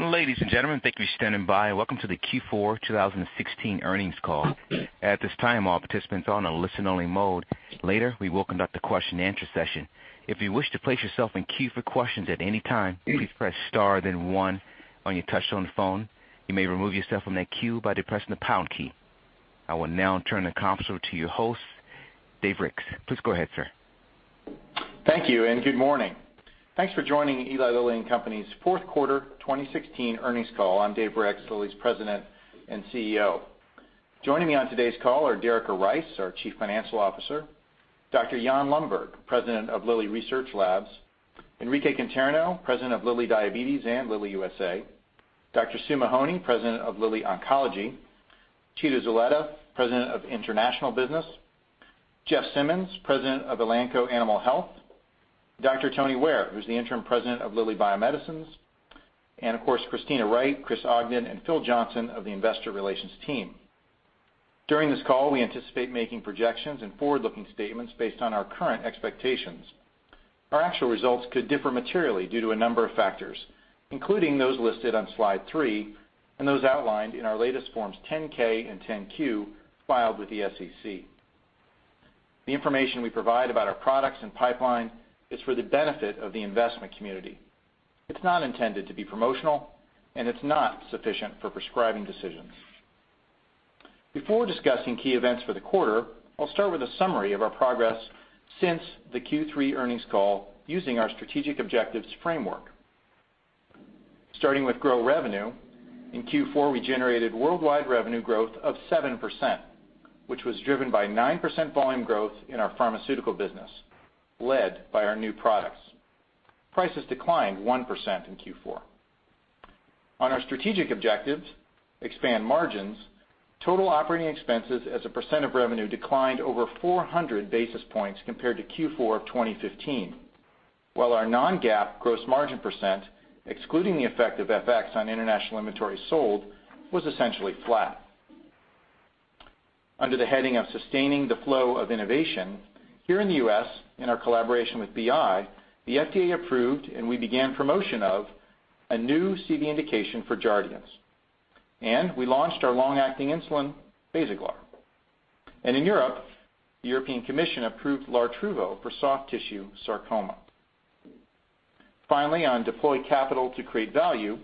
Ladies and gentlemen, thank you for standing by. Welcome to the Q4 2016 earnings call. At this time, all participants are on a listen-only mode. Later, we will conduct a question and answer session. If you wish to place yourself in queue for questions at any time, please press star then one on your touchtone phone. You may remove yourself from that queue by depressing the pound key. I will now turn the conference over to your host, Dave Ricks. Please go ahead, sir. Thank you, and good morning. Thanks for joining Eli Lilly and Company's fourth quarter 2016 earnings call. I'm Dave Ricks, Lilly's President and CEO. Joining me on today's call are Derica Rice, our Chief Financial Officer. Dr. Jan Lundberg, President of Lilly Research Laboratories. Enrique Conterno, President of Lilly Diabetes and Lilly USA. Dr. Susan Mahony, President of Lilly Oncology. Chito Zulueta, President of International Business. Jeff Simmons, President of Elanco Animal Health. Dr. Tony Ware, who's the Interim President of Lilly Bio-Medicines, and of course, Kristina Wright, Chris Ogden, and Phil Johnson of the investor relations team. During this call, we anticipate making projections and forward-looking statements based on our current expectations. Our actual results could differ materially due to a number of factors, including those listed on slide three and those outlined in our latest Forms 10-K and 10-Q filed with the SEC. The information we provide about our products and pipeline is for the benefit of the investment community. It's not intended to be promotional, and it's not sufficient for prescribing decisions. Before discussing key events for the quarter, I'll start with a summary of our progress since the Q3 earnings call using our strategic objectives framework. Starting with grow revenue, in Q4, we generated worldwide revenue growth of 7%, which was driven by 9% volume growth in our pharmaceutical business, led by our new products. Prices declined 1% in Q4. On our strategic objectives, expand margins, total operating expenses as a percent of revenue declined over 400 basis points compared to Q4 of 2015. While our non-GAAP gross margin percent, excluding the effect of FX on international inventory sold, was essentially flat. Under the heading of sustaining the flow of innovation, here in the U.S., in our collaboration with BI, the FDA approved and we began promotion of a new CV indication for Jardiance. We launched our long-acting insulin, BASAGLAR. In Europe, the European Commission approved LARTRUVO for soft tissue sarcoma. Finally, on deploy capital to create value,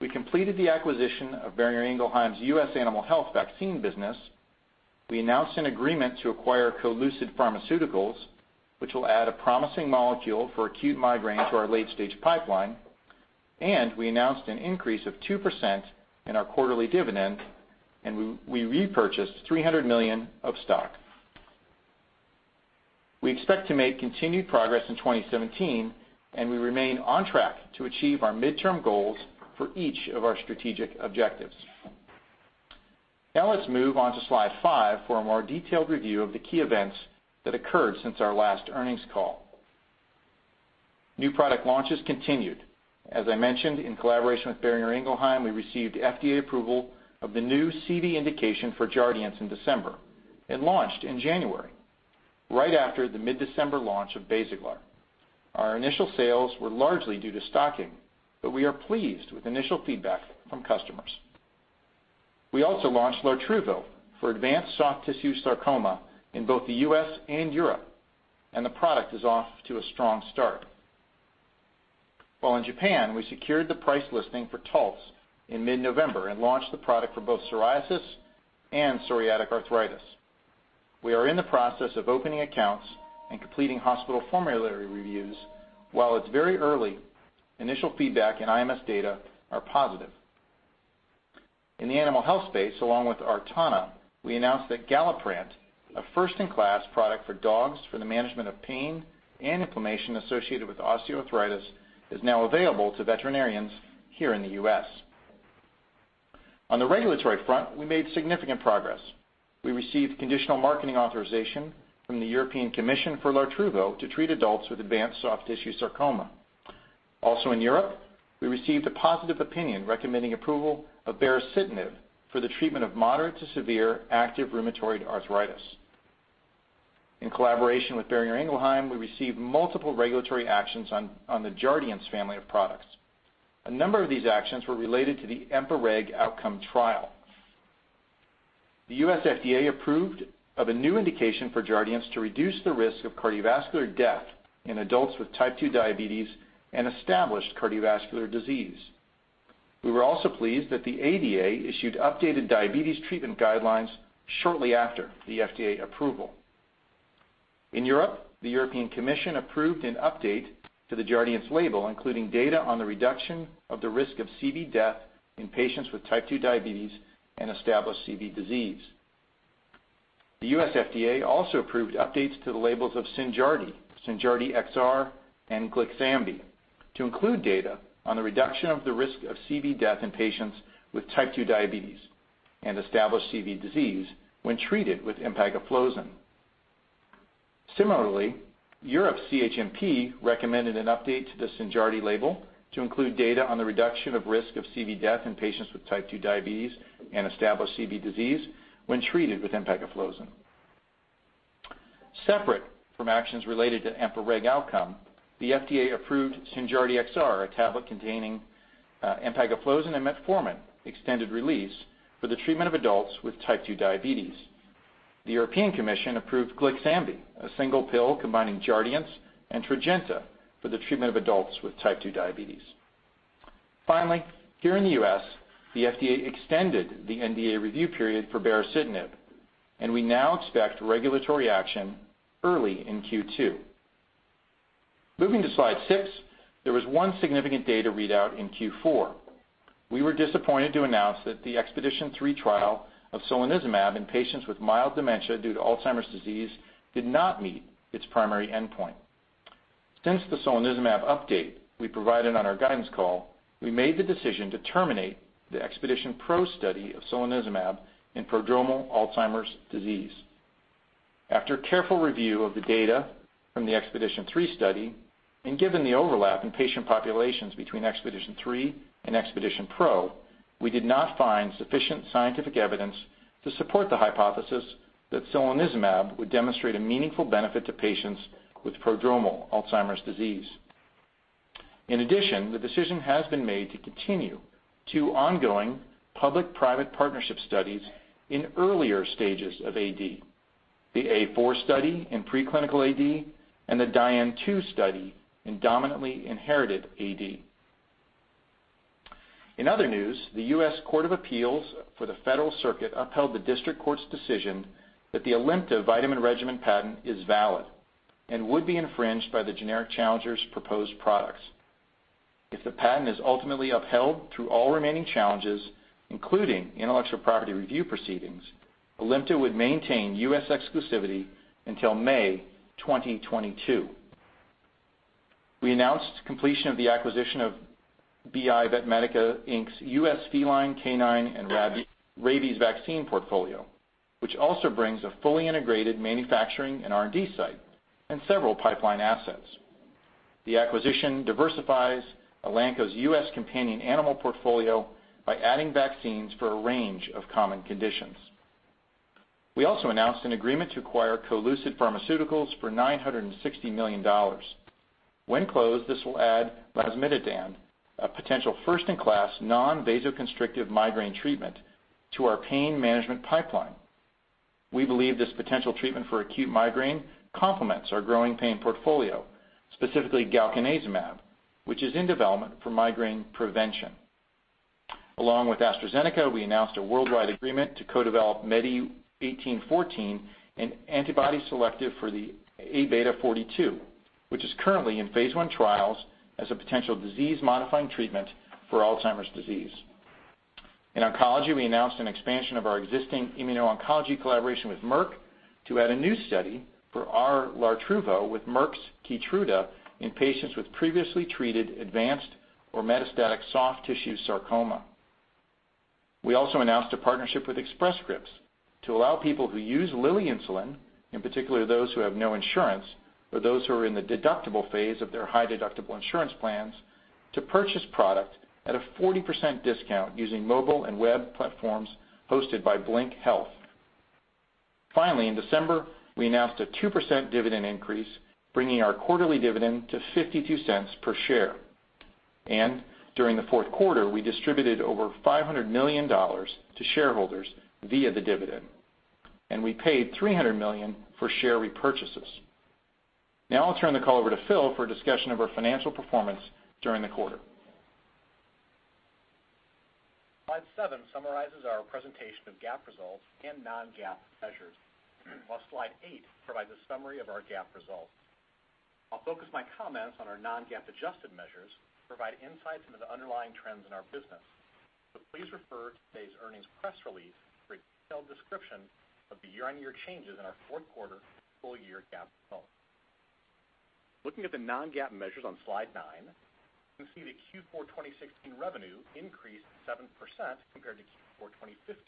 we completed the acquisition of Boehringer Ingelheim's U.S. Animal Health vaccine business. We announced an agreement to acquire CoLucid Pharmaceuticals, which will add a promising molecule for acute migraine to our late-stage pipeline. We announced an increase of 2% in our quarterly dividend, and we repurchased $300 million of stock. We expect to make continued progress in 2017, and we remain on track to achieve our midterm goals for each of our strategic objectives. Now let's move on to slide five for a more detailed review of the key events that occurred since our last earnings call. New product launches continued. As I mentioned, in collaboration with Boehringer Ingelheim, we received FDA approval of the new CV indication for Jardiance in December. It launched in January, right after the mid-December launch of BASAGLAR. Our initial sales were largely due to stocking, but we are pleased with initial feedback from customers. We also launched LARTRUVO for advanced soft tissue sarcoma in both the U.S. and Europe, and the product is off to a strong start. While in Japan, we secured the price listing for TALTZ in mid-November and launched the product for both psoriasis and psoriatic arthritis. We are in the process of opening accounts and completing hospital formulary reviews. While it's very early, initial feedback and IMS data are positive. In the animal health space, along with Aratana, we announced that GALLIPRANT, a first-in-class product for dogs for the management of pain and inflammation associated with osteoarthritis, is now available to veterinarians here in the U.S. On the regulatory front, we made significant progress. We received conditional marketing authorization from the European Commission for LARTRUVO to treat adults with advanced soft tissue sarcoma. Also in Europe, we received a positive opinion recommending approval of baricitinib for the treatment of moderate to severe active rheumatoid arthritis. In collaboration with Boehringer Ingelheim, we received multiple regulatory actions on the Jardiance family of products. A number of these actions were related to the EMPA-REG OUTCOME trial. The U.S. FDA approved of a new indication for Jardiance to reduce the risk of cardiovascular death in adults with type 2 diabetes and established cardiovascular disease. We were also pleased that the ADA issued updated diabetes treatment guidelines shortly after the FDA approval. In Europe, the European Commission approved an update to the Jardiance label, including data on the reduction of the risk of CV death in patients with type 2 diabetes and established CV disease. The U.S. FDA also approved updates to the labels of SYNJARDY XR, and GLYXAMBI to include data on the reduction of the risk of CV death in patients with type 2 diabetes and established CV disease when treated with empagliflozin. Similarly, Europe's CHMP recommended an update to the SYNJARDY label to include data on the reduction of risk of CV death in patients with type 2 diabetes and established CV disease when treated with empagliflozin. Separate from actions related to EMPA-REG OUTCOME, the FDA approved SYNJARDY XR, a tablet containing empagliflozin and metformin extended release for the treatment of adults with type 2 diabetes. The European Commission approved GLYXAMBI, a single pill combining Jardiance and Tradjenta for the treatment of adults with type 2 diabetes. Finally, here in the U.S., the FDA extended the NDA review period for baricitinib, and we now expect regulatory action early in Q2. Moving to slide six, there was one significant data readout in Q4. We were disappointed to announce that the EXPEDITION3 trial of solanezumab in patients with mild dementia due to Alzheimer's disease did not meet its primary endpoint. Since the solanezumab update we provided on our guidance call, we made the decision to terminate the EXPEDITIONPRO study of solanezumab in prodromal Alzheimer's disease. After careful review of the data from the EXPEDITION3 study and given the overlap in patient populations between EXPEDITION3 and EXPEDITIONPRO, we did not find sufficient scientific evidence to support the hypothesis that solanezumab would demonstrate a meaningful benefit to patients with prodromal Alzheimer's disease. In addition, the decision has been made to continue two ongoing public-private partnership studies in earlier stages of AD, the A4 study in pre-clinical AD and the DIAN-TU study in dominantly inherited AD. In other news, the U.S. Court of Appeals for the Federal Circuit upheld the district court's decision that the ALIMTA vitamin regimen patent is valid and would be infringed by the generic challenger's proposed products. If the patent is ultimately upheld through all remaining challenges, including intellectual property review proceedings, ALIMTA would maintain U.S. exclusivity until May 2022. We announced completion of the acquisition of BI Vetmedica Inc.'s U.S. feline, canine, and rabies vaccine portfolio, which also brings a fully integrated manufacturing and R&D site and several pipeline assets. The acquisition diversifies Elanco's U.S. companion animal portfolio by adding vaccines for a range of common conditions. We also announced an agreement to acquire CoLucid Pharmaceuticals for $960 million. When closed, this will add lasmiditan, a potential first-in-class non-vasoconstrictive migraine treatment to our pain management pipeline. We believe this potential treatment for acute migraine complements our growing pain portfolio, specifically galcanezumab, which is in development for migraine prevention. Along with AstraZeneca, we announced a worldwide agreement to co-develop MEDI1814, an antibody selective for the Aβ42, which is currently in phase I trials as a potential disease-modifying treatment for Alzheimer's disease. In oncology, we announced an expansion of our existing immuno-oncology collaboration with Merck to add a new study for our LARTRUVO with Merck's KEYTRUDA in patients with previously treated advanced or metastatic soft tissue sarcoma. We also announced a partnership with Express Scripts to allow people who use Lilly insulin, in particular those who have no insurance or those who are in the deductible phase of their high deductible insurance plans, to purchase product at a 40% discount using mobile and web platforms hosted by Blink Health. In December, we announced a 2% dividend increase, bringing our quarterly dividend to $0.52 per share. During the fourth quarter, we distributed over $500 million to shareholders via the dividend, and we paid $300 million for share repurchases. Now I'll turn the call over to Phil for a discussion of our financial performance during the quarter. Slide seven summarizes our presentation of GAAP results and non-GAAP measures, while slide eight provides a summary of our GAAP results. I'll focus my comments on our non-GAAP adjusted measures to provide insights into the underlying trends in our business, so please refer to today's earnings press release for a detailed description of the year-over-year changes in our fourth quarter and full year GAAP results. Looking at the non-GAAP measures on slide nine, you can see that Q4 2016 revenue increased 7% compared to Q4 2015,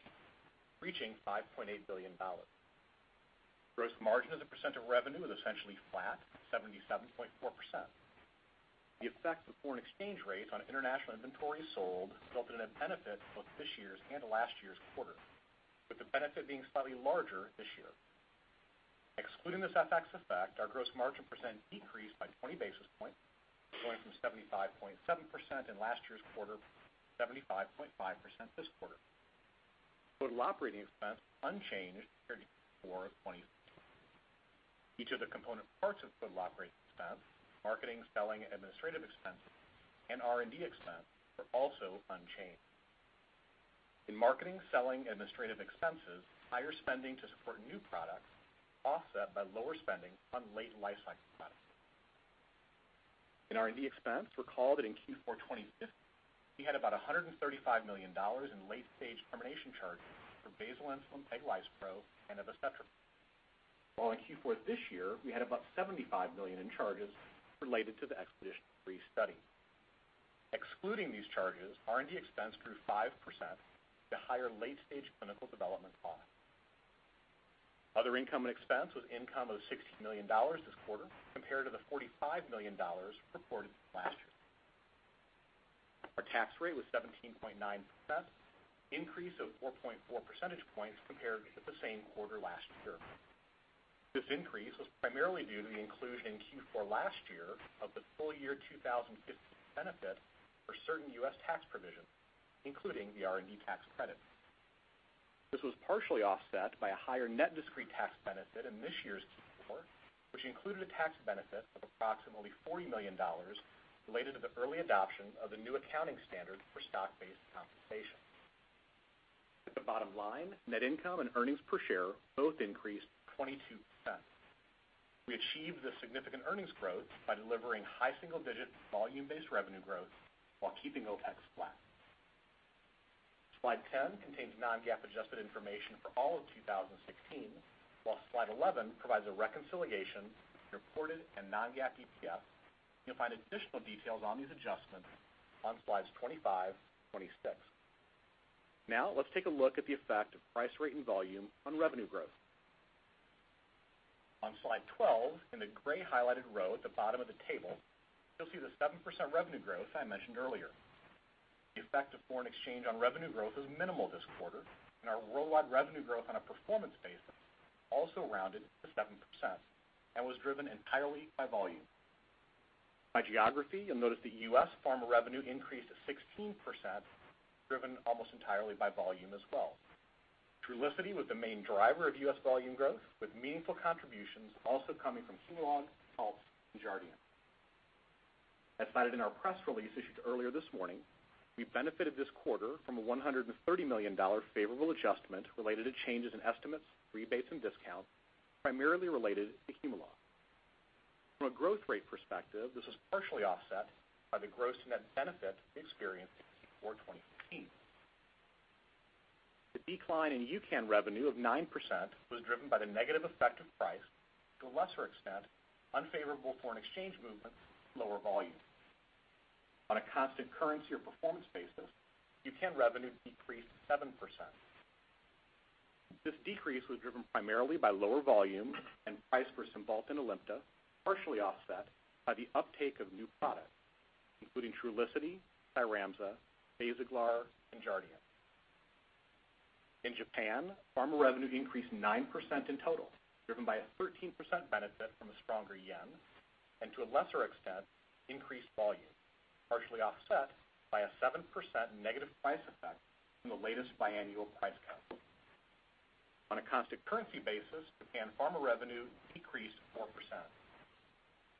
reaching $5.8 billion. Gross margin as a percent of revenue is essentially flat at 77.4%. The effect of foreign exchange rates on international inventory sold resulted in a benefit to both this year's and last year's quarter, with the benefit being slightly larger this year. Excluding this FX effect, our gross margin % decreased by 20 basis points, going from 75.7% in last year's quarter to 75.5% this quarter. Total operating expense unchanged compared to Q4 of 2015. Each of the component parts of total operating expense, marketing, selling, administrative expense, and R&D expense were also unchanged. In marketing, selling, administrative expenses, higher spending to support new products offset by lower spending on late-life-cycle products. In R&D expense, recall that in Q4 2015, we had about $135 million in late-stage termination charges for basal insulin peglispro and evacetrapib. While in Q4 this year, we had about $75 million in charges related to the EXPEDITION3 study. Excluding these charges, R&D expense grew 5% to higher late-stage clinical development costs. Other income and expense was income of $16 million this quarter, compared to the $45 million reported last year. Our tax rate was 17.9%, an increase of 4.4 percentage points compared to the same quarter last year. This increase was primarily due to the inclusion in Q4 last year of the full year 2015 benefit for certain U.S. tax provisions, including the R&D tax credit. This was partially offset by a higher net discrete tax benefit in this year's Q4, which included a tax benefit of approximately $40 million related to the early adoption of the new accounting standard for stock-based compensation. At the bottom line, net income and earnings per share both increased 22%. We achieved this significant earnings growth by delivering high single-digit volume-based revenue growth while keeping OpEx flat. Slide 10 contains non-GAAP adjusted information for all of 2016, while Slide 11 provides a reconciliation of reported and non-GAAP EPS. You'll find additional details on these adjustments on Slides 25, 26. Now let's take a look at the effect of price rate and volume on revenue growth. On Slide 12, in the gray highlighted row at the bottom of the table, you'll see the 7% revenue growth I mentioned earlier. The effect of foreign exchange on revenue growth was minimal this quarter, and our worldwide revenue growth on a performance basis also rounded to 7% and was driven entirely by volume. By geography, you'll notice the U.S. pharma revenue increased 16%, driven almost entirely by volume as well. Trulicity was the main driver of U.S. volume growth, with meaningful contributions also coming from Humalog, GLYXAMBI, and Jardiance. As cited in our press release issued earlier this morning, we benefited this quarter from a $130 million favorable adjustment related to changes in estimates, rebates, and discounts primarily related to Humalog. From a growth rate perspective, this was partially offset by the gross net benefit experienced in Q4 2015. The decline in EU-CAN revenue of 9% was driven by the negative effect of price, to a lesser extent, unfavorable foreign exchange movements, lower volume. On a constant currency or performance basis, EU-CAN revenue decreased 7%. This decrease was driven primarily by lower volume and price for Cymbalta and ALIMTA, partially offset by the uptake of new products, including Trulicity, CYRAMZA, BASAGLAR, and Jardiance. In Japan, pharma revenue increased 9% in total, driven by a 13% benefit from a stronger JPY and, to a lesser extent, increased volume, partially offset by a 7% negative price effect from the latest biannual price cut. On a constant currency basis, Japan pharma revenue decreased 4%.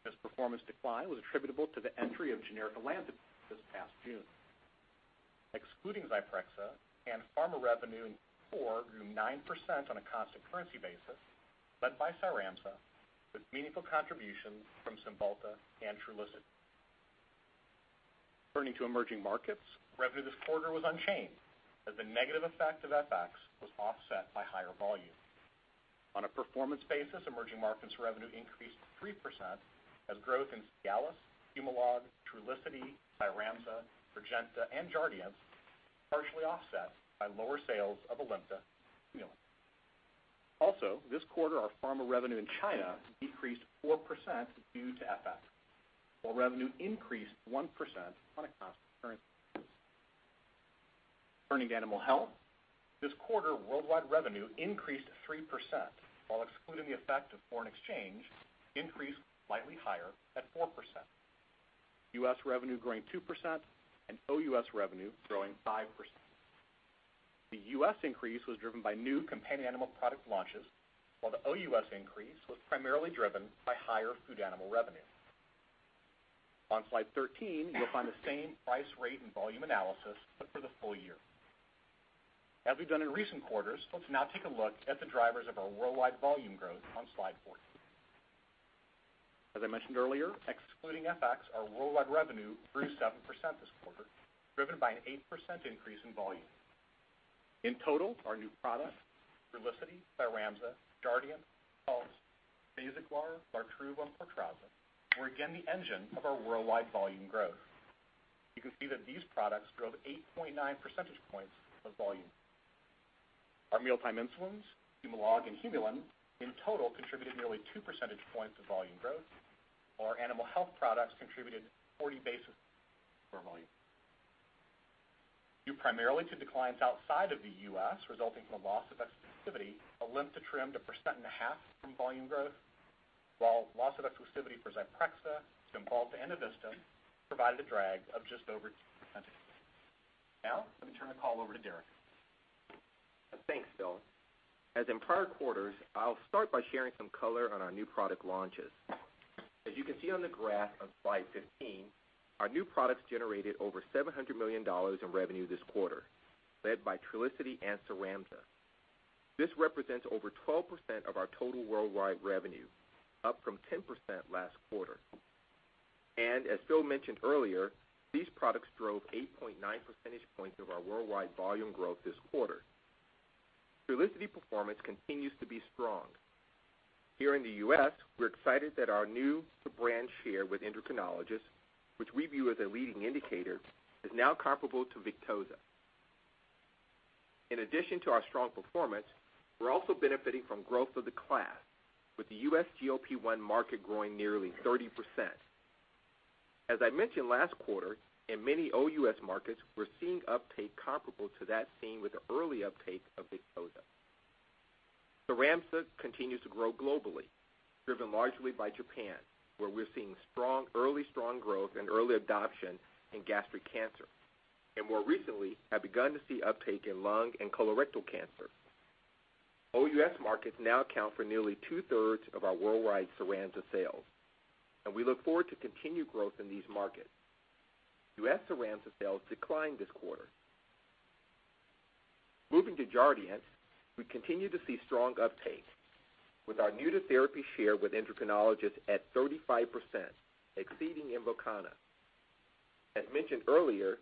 This performance decline was attributable to the entry of generic alendronate this past June. Excluding Zyprexa, pharma revenue in Q4 grew 9% on a constant currency basis, led by CYRAMZA with meaningful contributions from Cymbalta and Trulicity. Turning to emerging markets, revenue this quarter was unchanged as the negative effect of FX was offset by higher volume. On a performance basis, emerging markets revenue increased 3% as growth in CIALIS, HUMALOG, Trulicity, CYRAMZA, BRILINTA, and Jardiance were partially offset by lower sales of ALIMTA and HUMULIN. This quarter, our pharma revenue in China decreased 4% due to FX, while revenue increased 1% on a constant currency basis. Turning to animal health, this quarter worldwide revenue increased 3%, while excluding the effect of foreign exchange increased slightly higher at 4%. U.S. revenue growing 2% and OUS revenue growing 5%. The U.S. increase was driven by new companion animal product launches, while the OUS increase was primarily driven by higher food animal revenue. On Slide 13, you'll find the same price, rate, and volume analysis, but for the full year. As we've done in recent quarters, let's now take a look at the drivers of our worldwide volume growth on Slide 14. As I mentioned earlier, excluding FX, our worldwide revenue grew 7% this quarter, driven by an 8% increase in volume. Our new products, Trulicity, CYRAMZA, Jardiance, Taltz, BASAGLAR, LARTRUVO, and PORTRAZZA, were again the engine of our worldwide volume growth. You can see that these products drove 8.9 percentage points of volume. Our mealtime insulins, HUMALOG and HUMULIN, in total contributed nearly two percentage points of volume growth. Our animal health products contributed 40 basis for volume. Due primarily to declines outside of the U.S., resulting from a loss of exclusivity, ALIMTA trimmed 1.5% from volume growth, while loss of exclusivity for Zyprexa, Cymbalta, and EVISTA provided a drag of just over 2%. Let me turn the call over to Derica. Thanks, Phil. As in prior quarters, I'll start by sharing some color on our new product launches. As you can see on the graph on Slide 15, our new products generated over $700 million in revenue this quarter, led by Trulicity and CYRAMZA. This represents over 12% of our total worldwide revenue, up from 10% last quarter. As Phil mentioned earlier, these products drove 8.9 percentage points of our worldwide volume growth this quarter. Trulicity performance continues to be strong. Here in the U.S., we're excited that our new brand share with endocrinologists, which we view as a leading indicator, is now comparable to Victoza. In addition to our strong performance, we're also benefiting from growth of the class, with the U.S. GLP-1 market growing nearly 30%. As I mentioned last quarter, in many OUS markets, we're seeing uptake comparable to that seen with the early uptake of Victoza. CYRAMZA continues to grow globally, driven largely by Japan, where we're seeing early strong growth and early adoption in gastric cancer, and more recently have begun to see uptake in lung and colorectal cancer. OUS markets now account for nearly two-thirds of our worldwide CYRAMZA sales, and we look forward to continued growth in these markets. U.S. CYRAMZA sales declined this quarter. Moving to Jardiance, we continue to see strong uptake, with our new to therapy share with endocrinologists at 35%, exceeding INVOKANA. As mentioned earlier,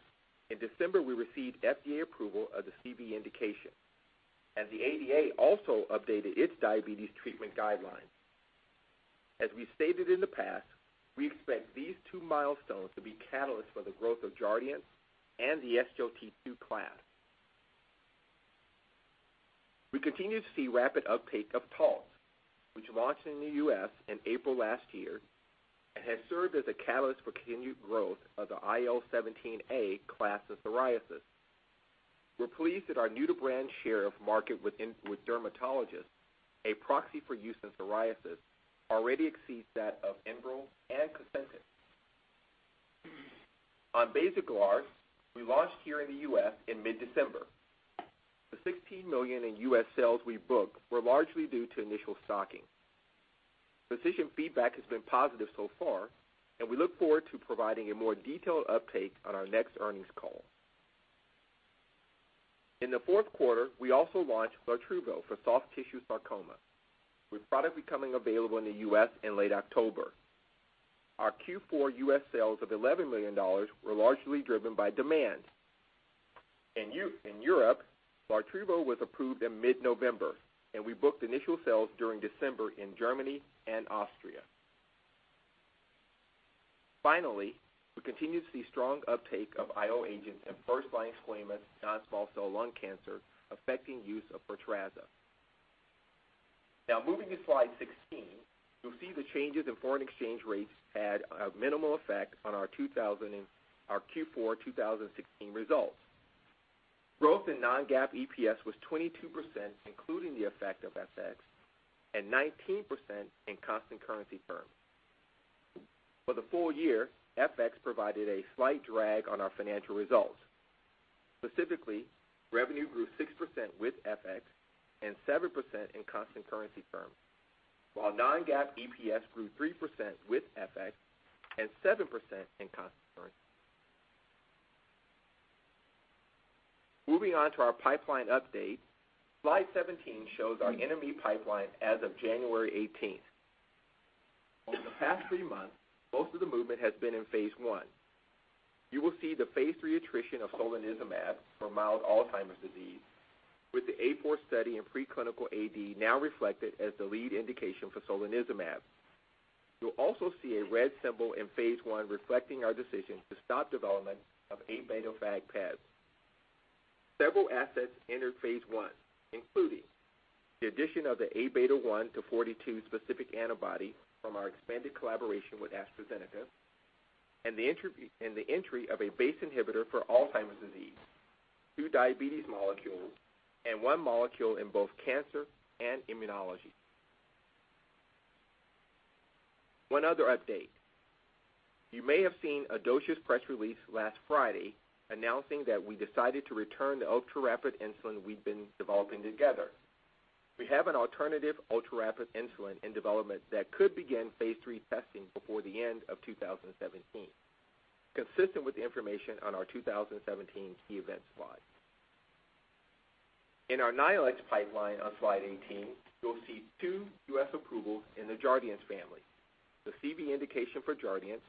in December, we received FDA approval of the CV indication, and the ADA also updated its diabetes treatment guidelines. As we stated in the past, we expect these two milestones to be catalysts for the growth of Jardiance and the SGLT2 class. We continue to see rapid uptake of TALTZ, which launched in the U.S. in April last year and has served as a catalyst for continued growth of the IL-17A class of psoriasis. We're pleased that our new-to-brand share of market with dermatologists, a proxy for use in psoriasis, already exceeds that of ENBREL and COSENTYX. On BASAGLAR, we launched here in the U.S. in mid-December. The $16 million in U.S. sales we booked were largely due to initial stocking. Physician feedback has been positive so far, and we look forward to providing a more detailed uptake on our next earnings call. In the fourth quarter, we also launched LARTRUVO for soft tissue sarcoma, with product becoming available in the U.S. in late October. Our Q4 U.S. sales of $11 million were largely driven by demand. In Europe, LARTRUVO was approved in mid-November, and we booked initial sales during December in Germany and Austria. Finally, we continue to see strong uptake of IO agents in first-line non-small cell lung cancer affecting use of Portrazza. Now, moving to slide 16, you'll see the changes in foreign exchange rates had a minimal effect on our Q4 2016 results. Growth in non-GAAP EPS was 22%, including the effect of FX, and 19% in constant currency terms. For the full year, FX provided a slight drag on our financial results. Specifically, revenue grew 6% with FX and 7% in constant currency terms, while non-GAAP EPS grew 3% with FX and 7% in constant currency. Moving on to our pipeline update. Slide 17 shows our NME pipeline as of January 18th. Over the past three months, most of the movement has been in phase I. You will see the phase III attrition of solanezumab for mild Alzheimer's disease with the A4 study and preclinical AD now reflected as the lead indication for solanezumab. You'll also see a red symbol in phase I reflecting our decision to stop development of Aβ Fab PEG. Several assets entered phase I, including the addition of the Aβ42 specific antibody from our expanded collaboration with AstraZeneca, and the entry of a BACE inhibitor for Alzheimer's disease, two diabetes molecules, and one molecule in both cancer and immunology. One other update. You may have seen Adocia's press release last Friday announcing that we decided to return the ultra-rapid insulin we've been developing together. We have an alternative ultra-rapid insulin in development that could begin phase III testing before the end of 2017, consistent with the information on our 2017 key events slide. In our near-term pipeline on slide 18, you'll see two U.S. approvals in the Jardiance family, the CV indication for Jardiance,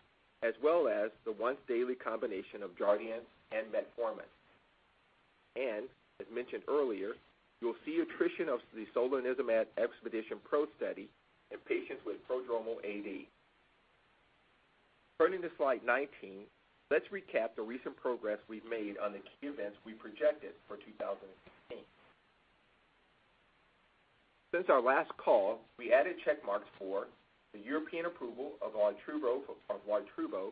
as well as the once-daily combination of Jardiance and metformin. As mentioned earlier, you'll see attrition of the solanezumab ExpeditionPRO study in patients with prodromal AD. Turning to slide 19, let's recap the recent progress we've made on the key events we projected for 2016. Since our last call, we added check marks for the European approval of LARTRUVO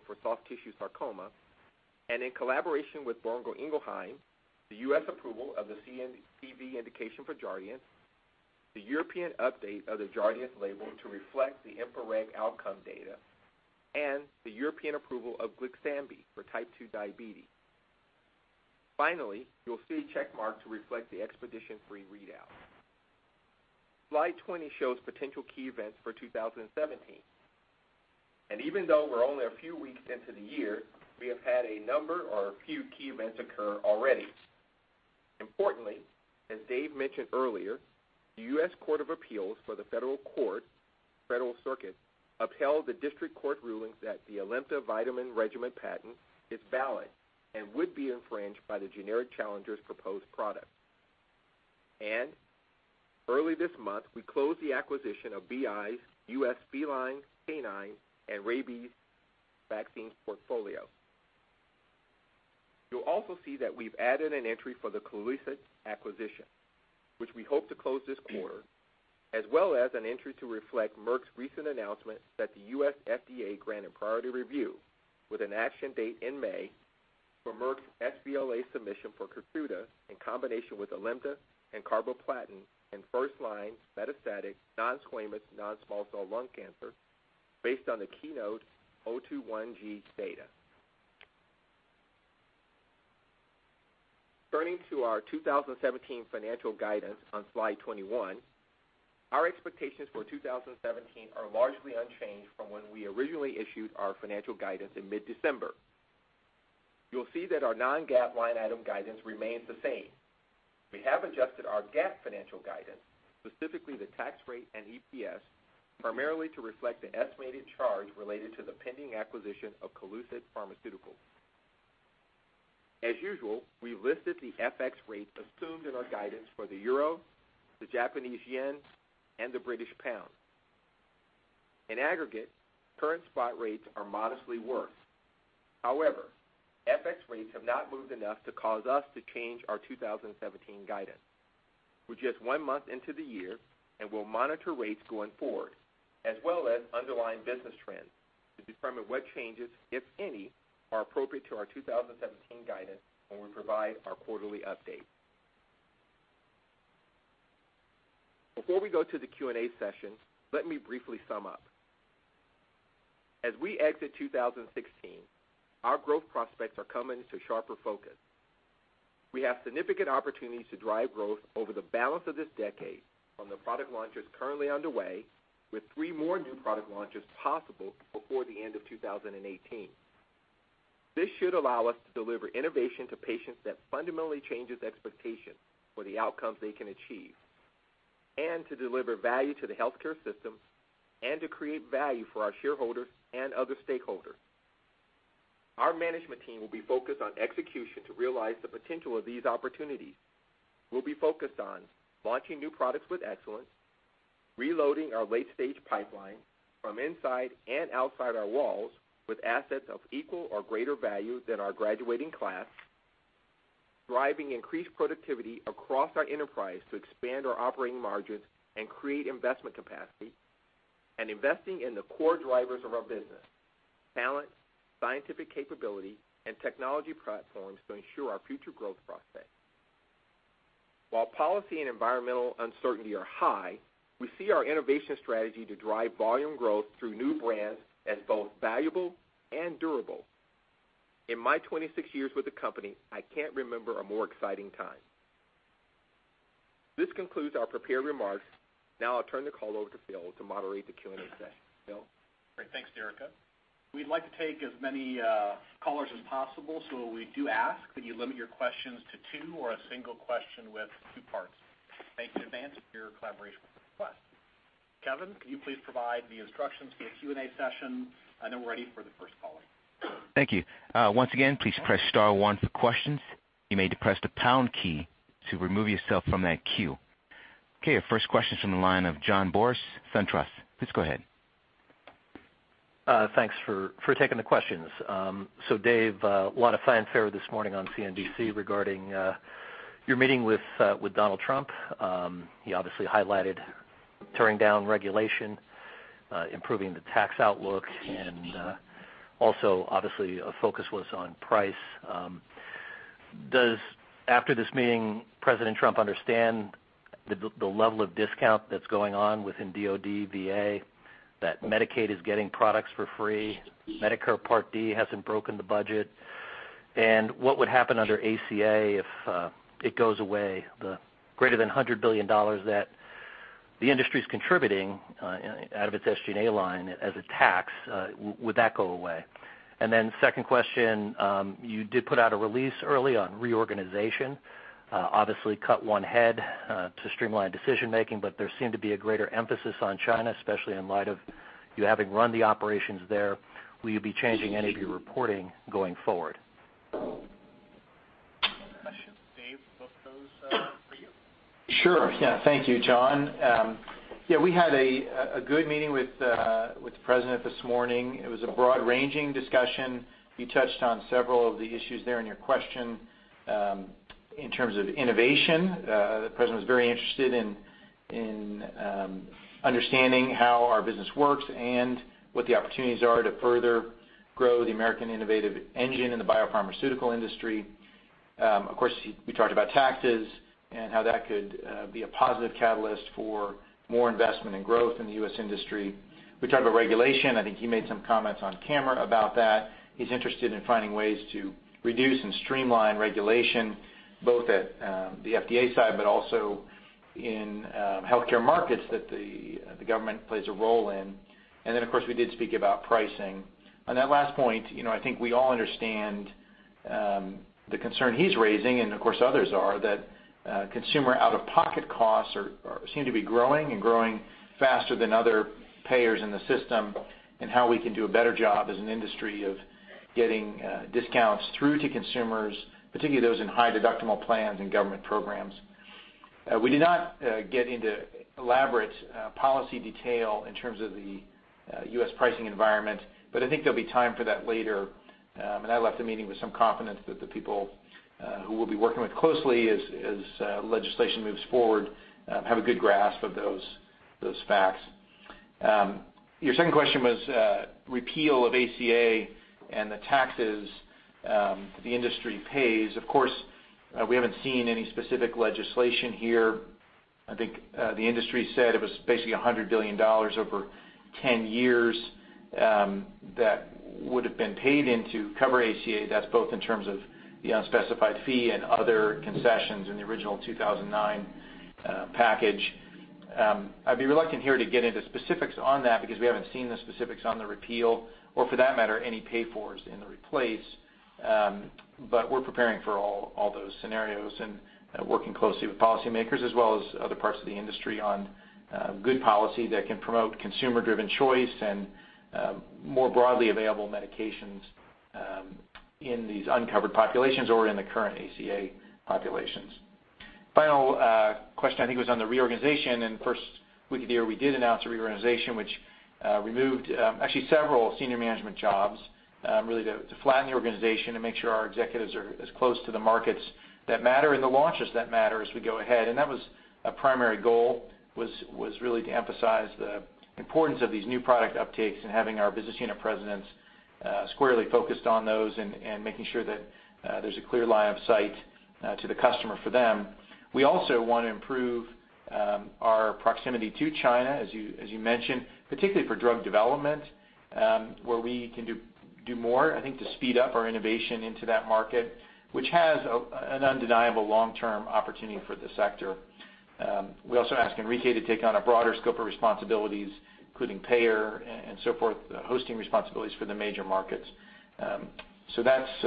for soft tissue sarcoma and in collaboration with Boehringer Ingelheim, the U.S. approval of the CV indication for Jardiance, the European update of the Jardiance label to reflect the EMPA-REG OUTCOME data, and the European approval of GLYXAMBI for type 2 diabetes. Finally, you'll see a check mark to reflect the EXPEDITION3 readout. Slide 20 shows potential key events for 2017. Even though we're only a few weeks into the year, we have had a number or a few key events occur already. Importantly, as Dave mentioned earlier, the United States Court of Appeals for the Federal Circuit upheld the district court rulings that the ALIMTA vitamin regimen patent is valid and would be infringed by the generic challenger's proposed product. Early this month, we closed the acquisition of BI's U.S. feline, canine, and rabies vaccine portfolio. You'll also see that we've added an entry for the CoLucid acquisition, which we hope to close this quarter, as well as an entry to reflect Merck's recent announcement that the U.S. FDA granted priority review with an action date in May for Merck's sBLA submission for KEYTRUDA in combination with ALIMTA and carboplatin in first-line metastatic non-squamous non-small cell lung cancer based on the KEYNOTE-021G data. Turning to our 2017 financial guidance on slide 21, our expectations for 2017 are largely unchanged from when we originally issued our financial guidance in mid-December. You'll see that our non-GAAP line item guidance remains the same. We have adjusted our GAAP financial guidance, specifically the tax rate and EPS, primarily to reflect the estimated charge related to the pending acquisition of CoLucid Pharmaceuticals. As usual, we listed the FX rates assumed in our guidance for the EUR, the JPY, and the GBP. In aggregate, current spot rates are modestly worse. However, FX rates have not moved enough to cause us to change our 2017 guidance. We're just one month into the year, and we'll monitor rates going forward, as well as underlying business trends, to determine what changes, if any, are appropriate to our 2017 guidance when we provide our quarterly update. Before we go to the Q&A session, let me briefly sum up. As we exit 2016, our growth prospects are coming to sharper focus. We have significant opportunities to drive growth over the balance of this decade on the product launches currently underway, with three more new product launches possible before the end of 2018. This should allow us to deliver innovation to patients that fundamentally changes expectations for the outcomes they can achieve, to deliver value to the healthcare system and to create value for our shareholders and other stakeholders. Our management team will be focused on execution to realize the potential of these opportunities. We'll be focused on launching new products with excellence, reloading our late-stage pipeline from inside and outside our walls with assets of equal or greater value than our graduating class, driving increased productivity across our enterprise to expand our operating margins and create investment capacity, and investing in the core drivers of our business, talent, scientific capability, and technology platforms to ensure our future growth prospects. While policy and environmental uncertainty are high, we see our innovation strategy to drive volume growth through new brands as both valuable and durable. In my 26 years with the company, I can't remember a more exciting time. This concludes our prepared remarks. I'll turn the call over to Phil to moderate the Q&A session. Phil? Great. Thanks, Derica. We'd like to take as many callers as possible, so we do ask that you limit your questions to two or a single question with two parts. Thanks in advance for your collaboration with the request. Kevin, can you please provide the instructions for the Q&A session? We're ready for the first caller. Thank you. Once again, please press *1 for questions. You may depress the # key to remove yourself from that queue. Our first question is from the line of John Boris, SunTrust. Please go ahead. Thanks for taking the questions. Dave, a lot of fanfare this morning on CNBC regarding your meeting with Donald Trump. He obviously highlighted tearing down regulation, improving the tax outlook, and also obviously a focus was on price. Does, after this meeting, President Trump understand the level of discount that's going on within DoD, VA, that Medicaid is getting products for free, Medicare Part D hasn't broken the budget? What would happen under ACA if it goes away, the greater than $100 billion that the industry's contributing out of its SG&A line as a tax, would that go away? Second question, you did put out a release early on reorganization, obviously cut one head to streamline decision-making, but there seemed to be a greater emphasis on China, especially in light of you having run the operations there. Will you be changing any of your reporting going forward? Questions, Dave, both those are for you. Sure, yeah. Thank you, John. Yeah, we had a good meeting with the President this morning. It was a broad-ranging discussion. He touched on several of the issues there in your question, in terms of innovation. The President was very interested in understanding how our business works and what the opportunities are to further grow the American innovative engine in the biopharmaceutical industry. Of course, we talked about taxes and how that could be a positive catalyst for more investment and growth in the U.S. industry. We talked about regulation. I think he made some comments on camera about that. He's interested in finding ways to reduce and streamline regulation, both at the FDA side, but also in healthcare markets that the government plays a role in. Then, of course, we did speak about pricing. On that last point, I think we all understand the concern he's raising, and of course, others are, that consumer out-of-pocket costs seem to be growing and growing faster than other payers in the system, and how we can do a better job as an industry of getting discounts through to consumers, particularly those in high-deductible plans and government programs. We did not get into elaborate policy detail in terms of the U.S. pricing environment, I think there'll be time for that later. I left the meeting with some confidence that the people who we'll be working with closely as legislation moves forward have a good grasp of those facts. Your second question was repeal of ACA and the taxes the industry pays. Of course, we haven't seen any specific legislation here. I think the industry said it was basically $100 billion over 10 years that would have been paid into cover ACA. That's both in terms of the unspecified fee and other concessions in the original 2009 package. I'd be reluctant here to get into specifics on that because we haven't seen the specifics on the repeal, or for that matter, any pay-fors in the replace. We're preparing for all those scenarios and working closely with policymakers, as well as other parts of the industry on good policy that can promote consumer-driven choice and more broadly available medications in these uncovered populations or in the current ACA populations. Final question, I think, was on the reorganization. In the first week of the year, we did announce a reorganization which removed actually several senior management jobs, really to flatten the organization and make sure our executives are as close to the markets that matter and the launches that matter as we go ahead. That was a primary goal, was really to emphasize the importance of these new product uptakes and having our business unit presidents squarely focused on those and making sure that there's a clear line of sight to the customer for them. We also want to improve our proximity to China, as you mentioned, particularly for drug development where we can do more, I think, to speed up our innovation into that market, which has an undeniable long-term opportunity for the sector. We also asked Enrique to take on a broader scope of responsibilities, including payer and so forth, hosting responsibilities for the major markets. That's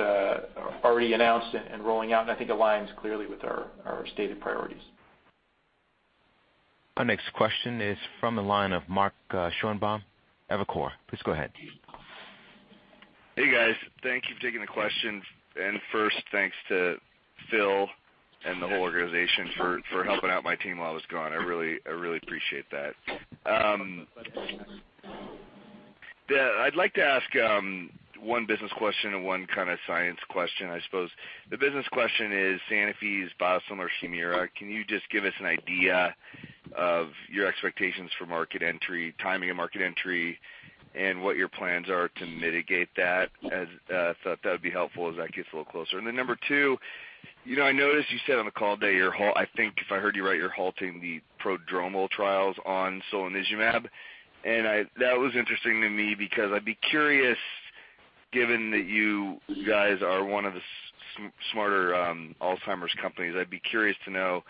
already announced and rolling out, I think aligns clearly with our stated priorities. Our next question is from the line of Mark Schoenebaum, Evercore. Please go ahead. Hey, guys. Thanks for taking the question. First, thanks to Phil and the whole organization for helping out my team while I was gone. I really appreciate that. I'd like to ask one business question and one kind of science question, I suppose. The business question is Sanofi's biosimilar Humira. Can you just give us an idea of your expectations for market entry, timing of market entry, and what your plans are to mitigate that? I thought that would be helpful as that gets a little closer. Number two, I noticed you said on the call today, I think if I heard you right, you're halting the prodromal trials on solanezumab. That was interesting to me because I'd be curious, given that you guys are one of the smarter Alzheimer's companies, I'd be curious to know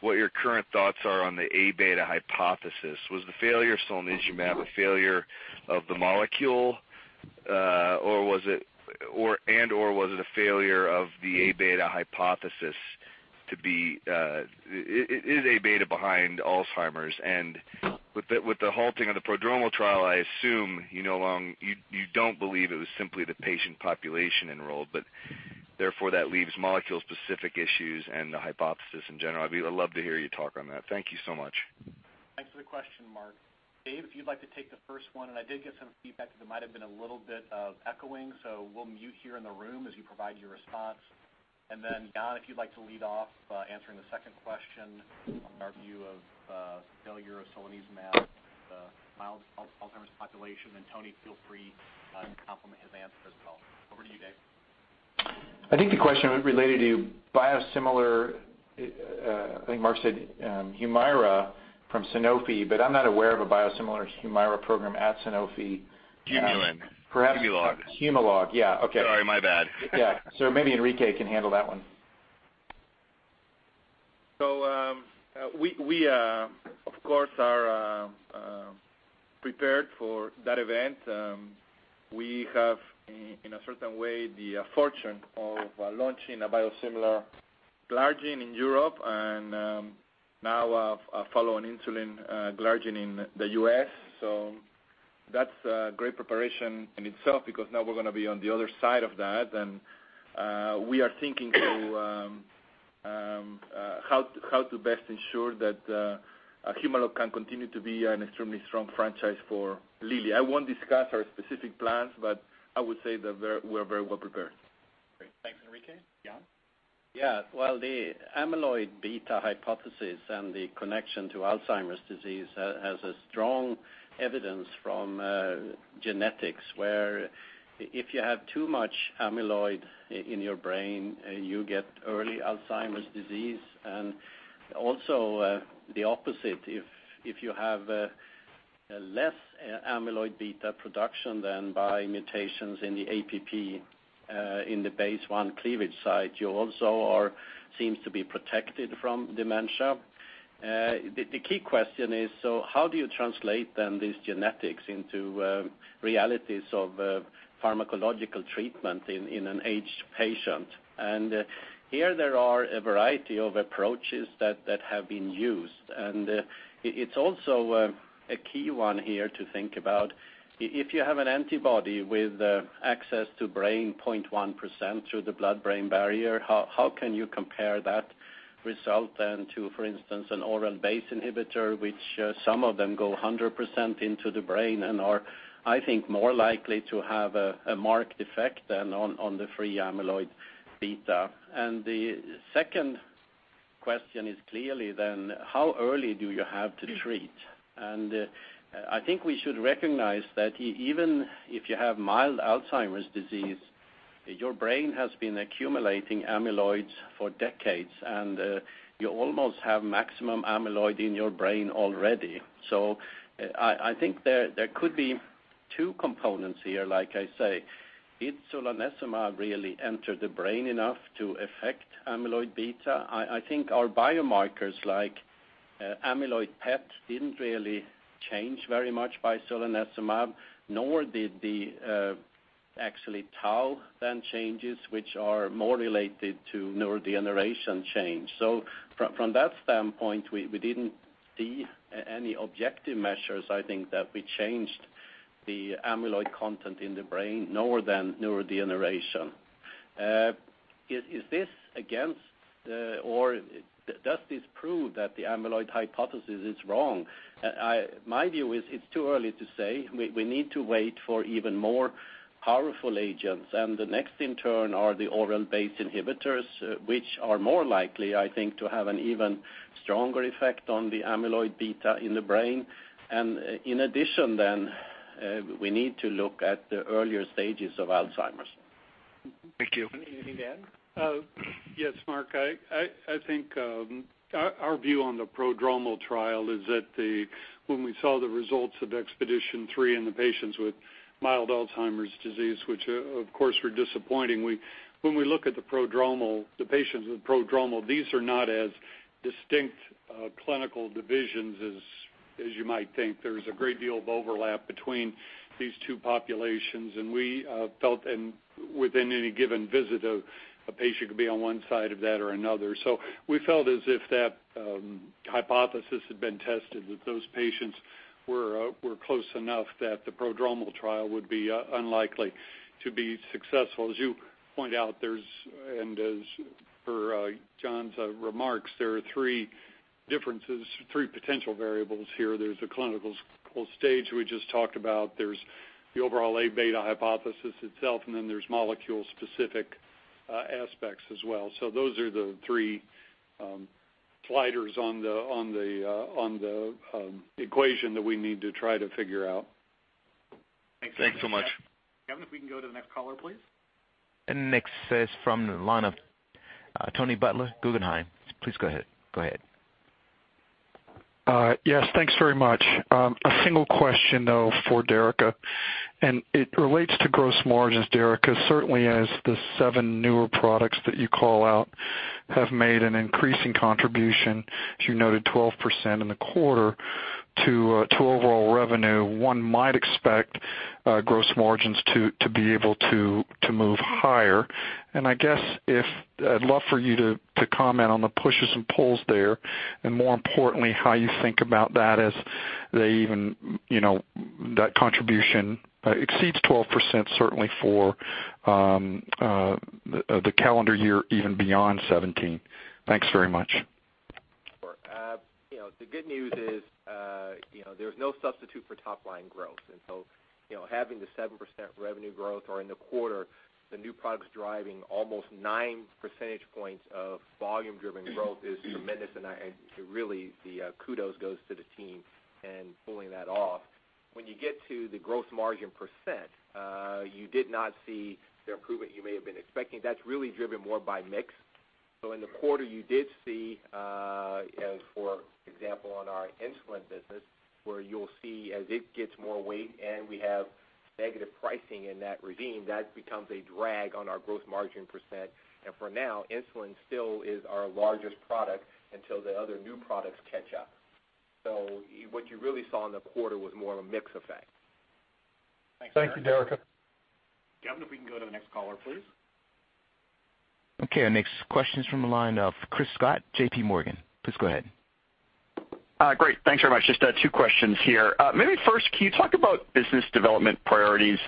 what your current thoughts are on the A-beta hypothesis. Was the failure of solanezumab a failure of the molecule, and/or was it a failure of the A-beta hypothesis? Is A-beta behind Alzheimer's? With the halting of the prodromal trial, I assume you don't believe it was simply the patient population enrolled, but therefore that leaves molecule-specific issues and the hypothesis in general. I'd love to hear you talk on that. Thank you so much. Thanks for the question, Mark. Dave, if you'd like to take the first one. I did get some feedback that there might have been a little bit of echoing, so we'll mute here in the room as you provide your response. Jan, if you'd like to lead off by answering the second question on our view of failure of solanezumab in the mild Alzheimer's population. Tony, feel free to complement his answer as well. Over to you, Dave. I think the question was related to biosimilar, I think Mark said Humira from Sanofi, but I'm not aware of a biosimilar Humira program at Sanofi. Humulin. Humalog. HUMALOG, yeah. Okay. Sorry, my bad. Yeah. Maybe Enrique can handle that one. We, of course, are prepared for that event. We have, in a certain way, the fortune of launching a biosimilar glargine in Europe and now a follow on insulin glargine in the U.S. That's great preparation in itself because now we're going to be on the other side of that. We are thinking how to best ensure that HUMALOG can continue to be an extremely strong franchise for Lilly. I won't discuss our specific plans, but I would say that we're very well prepared. Great. Thanks, Enrique. Jan? Well, the amyloid beta hypothesis and the connection to Alzheimer's disease has a strong evidence from genetics where if you have too much amyloid in your brain, you get early Alzheimer's disease, and also the opposite. If you have less amyloid beta production than by mutations in the APP in the BACE1 cleavage site, you also seems to be protected from dementia. How do you translate then these genetics into realities of pharmacological treatment in an aged patient? Here there are a variety of approaches that have been used. It's also a key one here to think about. If you have an antibody with access to brain 0.1% through the blood-brain barrier, how can you compare that result then to, for instance, an oral BACE inhibitor, which some of them go 100% into the brain and are, I think, more likely to have a marked effect than on the free amyloid beta. The question is clearly then, how early do you have to treat? I think we should recognize that even if you have mild Alzheimer's disease, your brain has been accumulating amyloids for decades, and you almost have maximum amyloid in your brain already. I think there could be two components here. Like I say, did solanezumab really enter the brain enough to affect amyloid beta? I think our biomarkers like amyloid PET didn't really change very much by solanezumab, nor did the actually tau then changes, which are more related to neurodegeneration change. From that standpoint, we didn't see any objective measures, I think, that we changed the amyloid content in the brain nor then neurodegeneration. Is this against or does this prove that the amyloid hypothesis is wrong? My view is it's too early to say. We need to wait for even more powerful agents. The next in turn are the oral BACE inhibitors, which are more likely, I think, to have an even stronger effect on the amyloid-beta in the brain. In addition then, we need to look at the earlier stages of Alzheimer's. Thank you. Anything to add? Yes, Mark. I think our view on the prodromal trial is that when we saw the results of EXPEDITION3 in the patients with mild Alzheimer's disease, which of course were disappointing, when we look at the patients with prodromal, these are not as distinct clinical divisions as you might think. There's a great deal of overlap between these two populations, and we felt within any given visit, a patient could be on one side of that or another. We felt as if that hypothesis had been tested, that those patients were close enough that the prodromal trial would be unlikely to be successful. As you point out, and as per Jan's remarks, there are three differences, three potential variables here. There's the clinical stage we just talked about. There's the overall A-beta hypothesis itself, then there's molecule-specific aspects as well. Those are the three sliders on the equation that we need to try to figure out. Thanks so much. Kevin, if we can go to the next caller, please. Next is from the line of Tony Butler, Guggenheim. Please go ahead. Yes, thanks very much. A single question though for Derica. It relates to gross margins, Derica. Certainly as the seven newer products that you call out have made an increasing contribution, as you noted, 12% in the quarter to overall revenue, one might expect gross margins to be able to move higher. I guess I'd love for you to comment on the pushes and pulls there, and more importantly, how you think about that as that contribution exceeds 12%, certainly for the calendar year, even beyond 2017. Thanks very much. Sure. The good news is there's no substitute for top-line growth. Having the 7% revenue growth or in the quarter, the new products driving almost nine percentage points of volume-driven growth is tremendous, and really the kudos goes to the team in pulling that off. When you get to the gross margin percent, you did not see the improvement you may have been expecting. That's really driven more by mix. In the quarter, you did see as, for example, on our insulin business, where you'll see as it gets more weight and we have negative pricing in that regime, that becomes a drag on our gross margin percent. For now, insulin still is our largest product until the other new products catch up. What you really saw in the quarter was more of a mix effect. Thank you, Derica. Kevin, if we can go to the next caller, please. Okay, our next question's from the line of Chris Schott, J.P. Morgan. Please go ahead. Great. Thanks very much. Just two questions here. First, can you talk about business development priorities?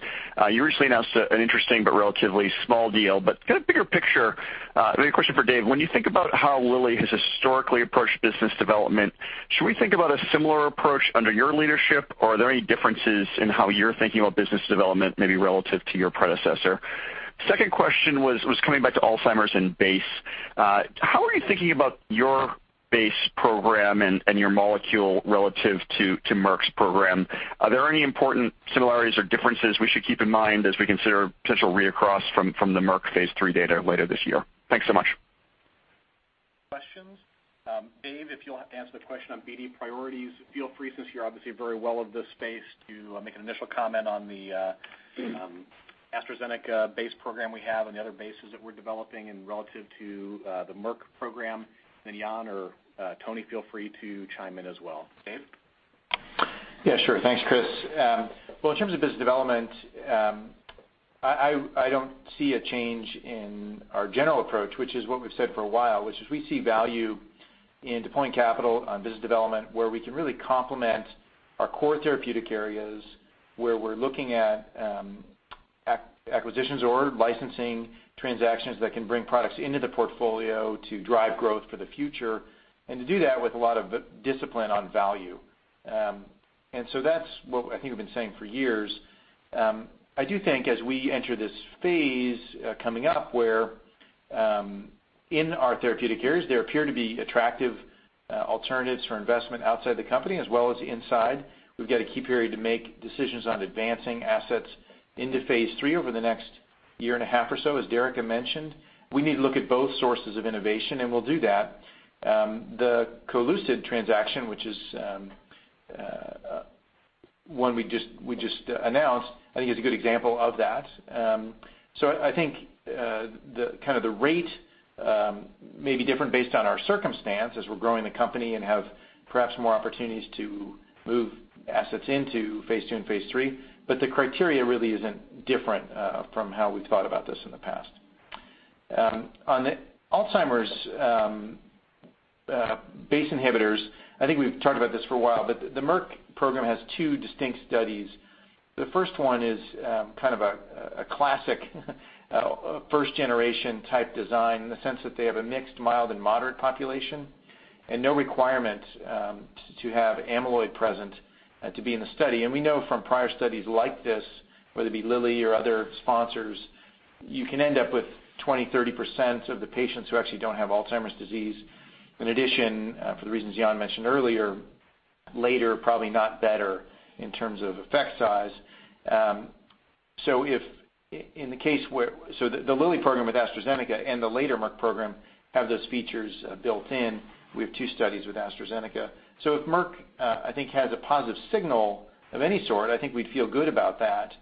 You recently announced an interesting but relatively small deal, but bigger picture, a question for Dave. When you think about how Lilly has historically approached business development, should we think about a similar approach under your leadership, or are there any differences in how you're thinking about business development, relative to your predecessor? Second question was coming back to Alzheimer's and BACE. How are you thinking about your BACE program and your molecule relative to Merck's program? Are there any important similarities or differences we should keep in mind as we consider potential read-across from the Merck phase III data later this year? Thanks so much. Questions. Dave, if you'll answer the question on BD priorities. Feel free, since you're obviously very aware of this space, to make an initial comment on the AstraZeneca BACE program we have and the other BACEs that we're developing and relative to the Merck program. Jan or Tony, feel free to chime in as well. Dave? Sure. Thanks, Chris. In terms of business development, I don't see a change in our general approach, which is what we've said for a while, which is we see value in deploying capital on business development where we can really complement our core therapeutic areas, where we're looking at acquisitions or licensing transactions that can bring products into the portfolio to drive growth for the future. To do that with a lot of discipline on value. That's what I think we've been saying for years. I do think as we enter this phase coming up where in our therapeutic areas, there appear to be attractive alternatives for investment outside the company as well as inside. We've got a key period to make decisions on advancing assets into phase III over the next year and a half or so, as Derica had mentioned. We need to look at both sources of innovation, and we'll do that. The CoLucid transaction, which is one we just announced, I think is a good example of that. I think the rate may be different based on our circumstance as we're growing the company and have perhaps more opportunities to move assets into phase II and phase III, but the criteria really isn't different from how we've thought about this in the past. On the Alzheimer's BACE inhibitors, I think we've talked about this for a while, but the Merck program has two distinct studies. The first one is kind of a classic first-generation type design in the sense that they have a mixed, mild, and moderate population and no requirement to have amyloid present to be in the study. We know from prior studies like this, whether it be Lilly or other sponsors, you can end up with 20%-30% of the patients who actually don't have Alzheimer's disease. In addition, for the reasons Jan mentioned earlier, later probably not better in terms of effect size. The Lilly program with AstraZeneca and the later Merck program have those features built in. We have two studies with AstraZeneca. If Merck, I think, has a positive signal of any sort, I think we'd feel good about that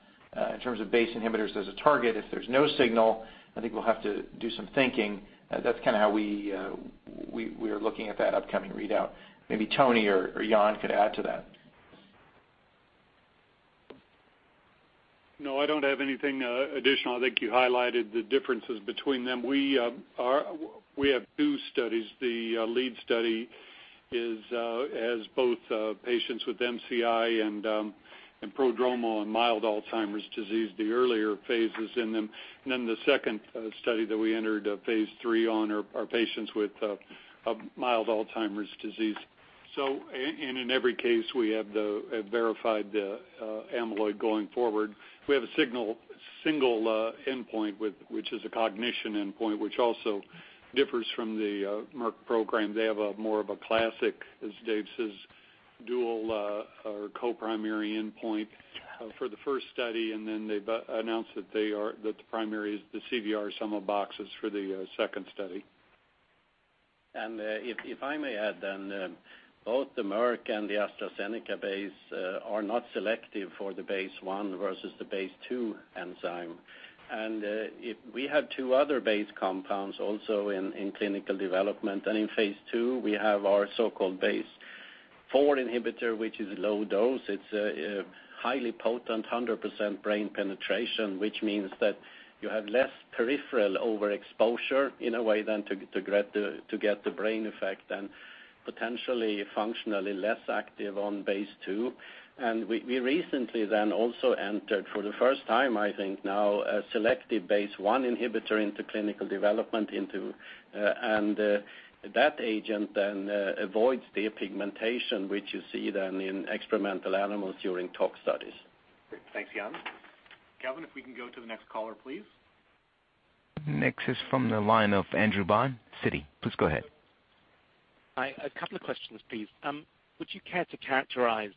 in terms of BACE inhibitors as a target. If there's no signal, I think we'll have to do some thinking. That's kind of how we are looking at that upcoming readout. Maybe Tony or Jan could add to that. No, I don't have anything additional. I think you highlighted the differences between them. We have two studies. The lead study has both patients with MCI and prodromal and mild Alzheimer's disease, the earlier phases in them. The second study that we entered phase III on are patients with mild Alzheimer's disease. In every case, we have verified the amyloid going forward. We have a single endpoint, which is a cognition endpoint, which also differs from the Merck program. They have more of a classic, as Dave says, dual or co-primary endpoint for the first study, then they've announced that the primary is the CDR Sum of Boxes for the second study. If I may add then, both the Merck and the AstraZeneca BACE are not selective for the BACE1 versus the BACE2 enzyme. We have two other BACE compounds also in clinical development. In phase II, we have our so-called BACE1 inhibitor, which is low dose. It's a highly potent 100% brain penetration, which means that you have less peripheral overexposure in a way than to get the brain effect and potentially functionally less active on BACE2. We recently then also entered for the first time, I think now, a selective BACE1 inhibitor into clinical development. That agent then avoids depigmentation, which you see then in experimental animals during tox studies. Great. Thanks, Jan. kevin, if we can go to the next caller, please. Next is from the line of Andrew Baum, Citi. Please go ahead. Hi. A couple of questions, please. Would you care to characterize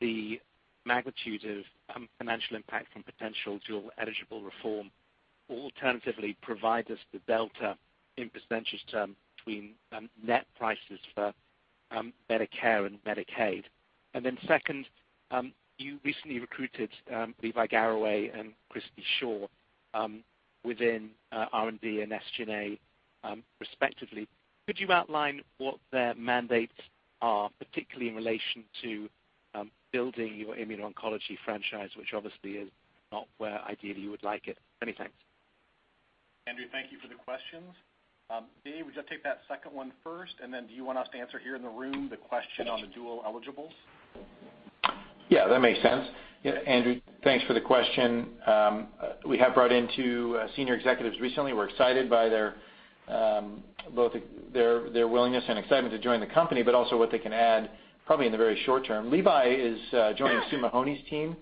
the magnitude of financial impact from potential dual-eligible reform? Alternatively, provide us the delta in percentage terms between net prices for Medicare and Medicaid. Second, you recently recruited Levi Garraway and Christi Shaw within R&D and SG&A respectively. Could you outline what their mandates are, particularly in relation to building your immuno-oncology franchise, which obviously is not where ideally you would like it? Many thanks. Andrew, thank you for the questions. Dave, we'll just take that second one first. Do you want us to answer here in the room the question on the dual eligibles? Yeah, that makes sense. Andrew, thanks for the question. We have brought in two senior executives recently. We're excited by both their willingness and excitement to join the company, but also what they can add probably in the very short term. Levi is joining Susan Mahony's team,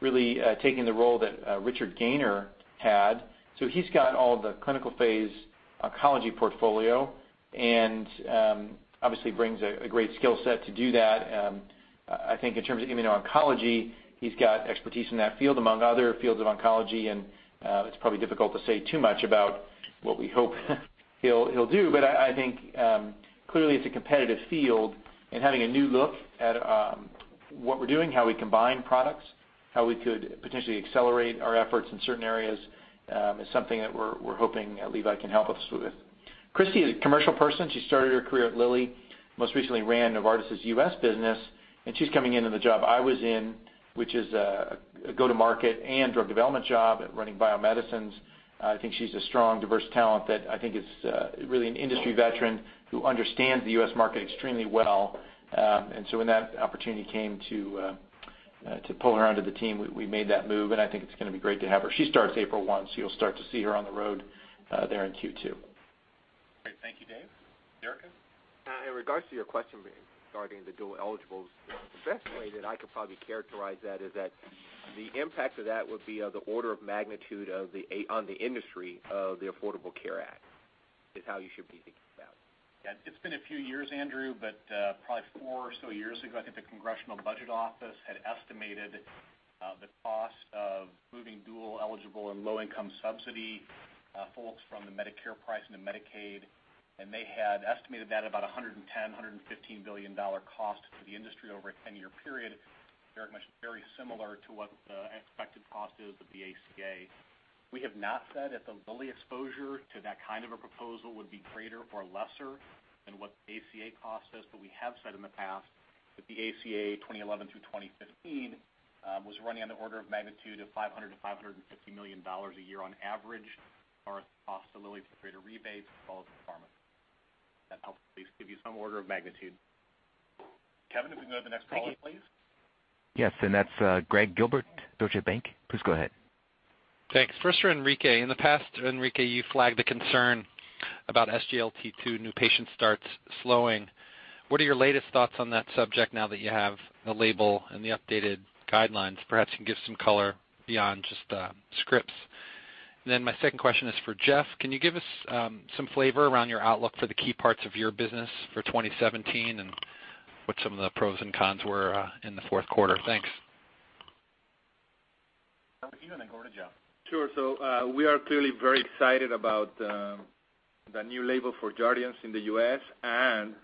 really taking the role that Richard Gaynor had. He's got all the clinical phase oncology portfolio and obviously brings a great skill set to do that. I think in terms of immuno-oncology, he's got expertise in that field, among other fields of oncology, and it's probably difficult to say too much about what we hope he'll do. I think clearly it's a competitive field, and having a new look at what we're doing, how we combine products, how we could potentially accelerate our efforts in certain areas is something that we're hoping Levi can help us with. Kristi is a commercial person. She started her career at Lilly, most recently ran Novartis' U.S. business. She's coming into the job I was in, which is a go-to-market and drug development job at running Lilly Bio-Medicines. I think she's a strong, diverse talent that I think is really an industry veteran who understands the U.S. market extremely well. To pull her onto the team. We made that move, and I think it's going to be great to have her. She starts April 1, so you'll start to see her on the road there in Q2. Great. Thank you, Dave. Andrew? In regards to your question regarding the dual eligibles, the best way that I could probably characterize that is that the impact of that would be on the order of magnitude on the industry of the Affordable Care Act, is how you should be thinking about it. Yeah. It's been a few years, Andrew, probably four or so years ago, I think the Congressional Budget Office had estimated the cost of moving dual eligible and low-income subsidy folks from the Medicare price into Medicaid. They had estimated that about $110 billion, $115 billion cost to the industry over a 10-year period, very similar to what the expected cost is of the ACA. We have not said if the Lilly exposure to that kind of a proposal would be greater or lesser than what the ACA cost is, we have said in the past that the ACA 2011 through 2015 was running on the order of magnitude of $500 million to $550 million a year on average as far as the cost to Lilly to create a rebate as well as the pharma. If that helps at least give you some order of magnitude. Kevin, if we can go to the next caller, please. Yes, that's Gregg Gilbert, Deutsche Bank. Please go ahead. Thanks. First for Enrique. In the past, Enrique, you flagged a concern about SGLT2 new patient starts slowing. What are your latest thoughts on that subject now that you have the label and the updated guidelines? Perhaps you can give some color beyond just the scripts. Then my second question is for Jeff. Can you give us some flavor around your outlook for the key parts of your business for 2017 and what some of the pros and cons were in the fourth quarter? Thanks. I'll go to you and then go to Jeff. We are clearly very excited about the new label for Jardiance in the U.S. and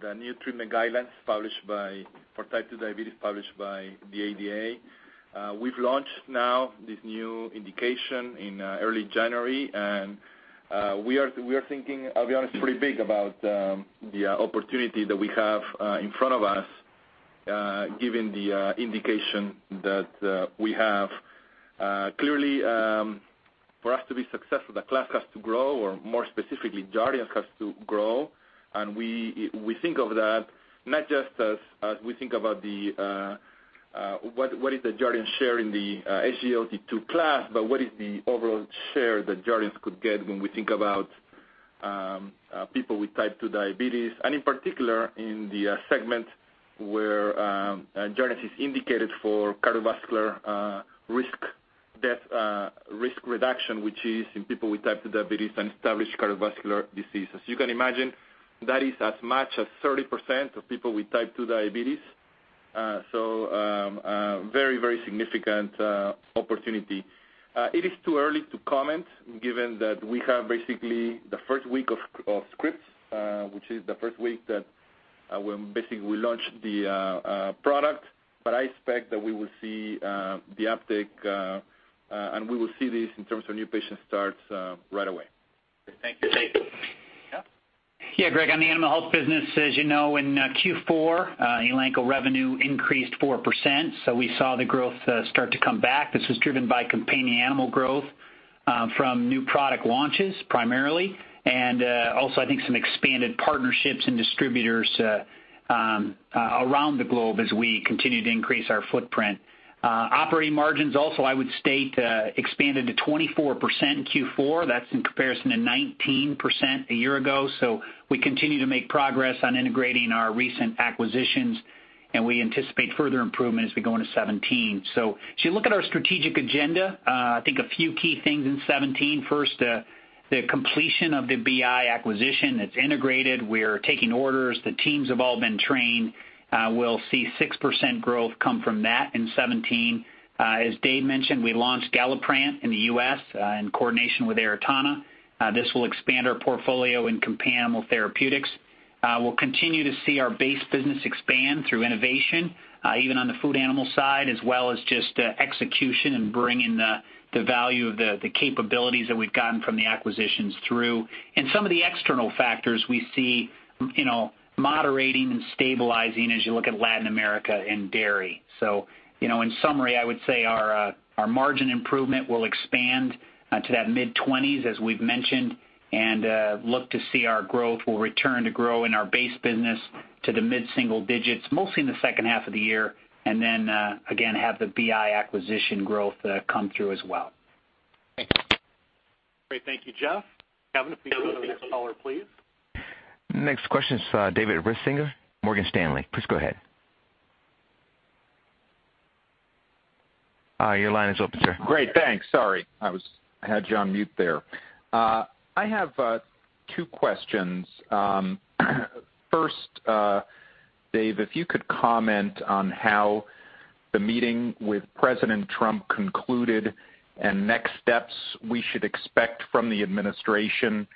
the new treatment guidelines for type 2 diabetes published by the ADA. We've launched now this new indication in early January, and we are thinking, I'll be honest, pretty big about the opportunity that we have in front of us given the indication that we have. For us to be successful, the class has to grow, or more specifically, Jardiance has to grow. We think of that not just as we think about what is the Jardiance share in the SGLT2 class, but what is the overall share that Jardiance could get when we think about people with type 2 diabetes, and in particular in the segment where Jardiance is indicated for cardiovascular risk reduction, which is in people with type 2 diabetes and established cardiovascular diseases. You can imagine that is as much as 30% of people with type 2 diabetes. A very significant opportunity. It is too early to comment given that we have basically the first week of scripts, which is the first week that basically we launched the product. I expect that we will see the uptick, and we will see this in terms of new patient starts right away. Thank you. Dave? Jeff? Greg, on the animal health business, as you know, in Q4, Elanco revenue increased 4%. We saw the growth start to come back. This was driven by companion animal growth from new product launches primarily, also I think some expanded partnerships and distributors around the globe as we continue to increase our footprint. Operating margins also, I would state, expanded to 24% in Q4. That's in comparison to 19% a year ago. We continue to make progress on integrating our recent acquisitions, and we anticipate further improvement as we go into 2017. As you look at our strategic agenda, I think a few key things in 2017. First, the completion of the BI acquisition. It's integrated. We're taking orders. The teams have all been trained. We'll see 6% growth come from that in 2017. As Dave mentioned, we launched GALLIPRANT in the U.S. in coordination with Aratana. This will expand our portfolio in companion animal therapeutics. We'll continue to see our base business expand through innovation, even on the food animal side, as well as just execution and bringing the value of the capabilities that we've gotten from the acquisitions through. Some of the external factors we see moderating and stabilizing as you look at Latin America and dairy. In summary, I would say our margin improvement will expand to that mid-20s as we've mentioned and look to see our growth will return to grow in our base business to the mid-single digits, mostly in the second half of the year. Then again, have the BI acquisition growth come through as well. Thanks. Great. Thank you, Jeff. Kevin, if we can go to the next caller, please. Next question is David Risinger, Morgan Stanley. Please go ahead. Your line is open, sir. Great. Thanks. Sorry. I had you on mute there. I have two questions. First, Dave, if you could comment on how the meeting with President Trump concluded and next steps we should expect from the administration.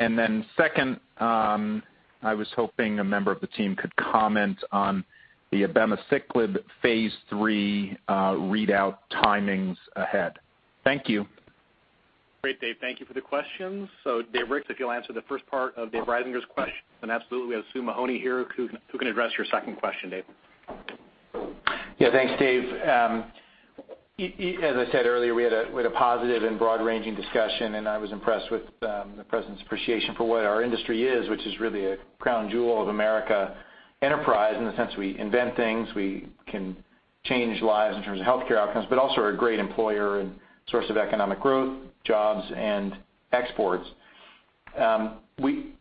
Then second, I was hoping a member of the team could comment on the abemaciclib phase III readout timings ahead. Thank you. Great, Dave. Thank you for the questions. Dave Ricks, if you'll answer the first part of Dave Risinger's question. Absolutely, we have Susan Mahony here who can address your second question, Dave. Yeah, thanks, Dave. As I said earlier, we had a positive and broad-ranging discussion, and I was impressed with the President's appreciation for what our industry is, which is really a crown jewel of American enterprise in the sense we invent things, we can change lives in terms of healthcare outcomes, but also are a great employer and source of economic growth, jobs, and exports. We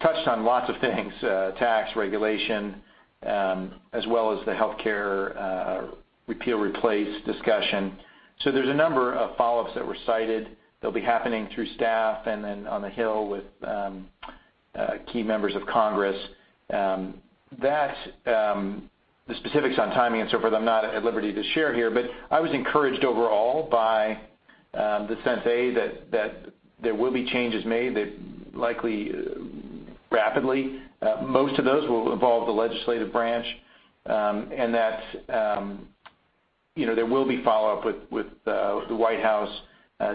touched on lots of things, tax, regulation, as well as the healthcare repeal/replace discussion. There's a number of follow-ups that were cited that'll be happening through staff and then on the Hill with key members of Congress. The specifics on timing and so forth, I'm not at liberty to share here, but I was encouraged overall by the sense, A, that there will be changes made, likely rapidly. Most of those will involve the legislative branch, and that there will be follow-up with the White House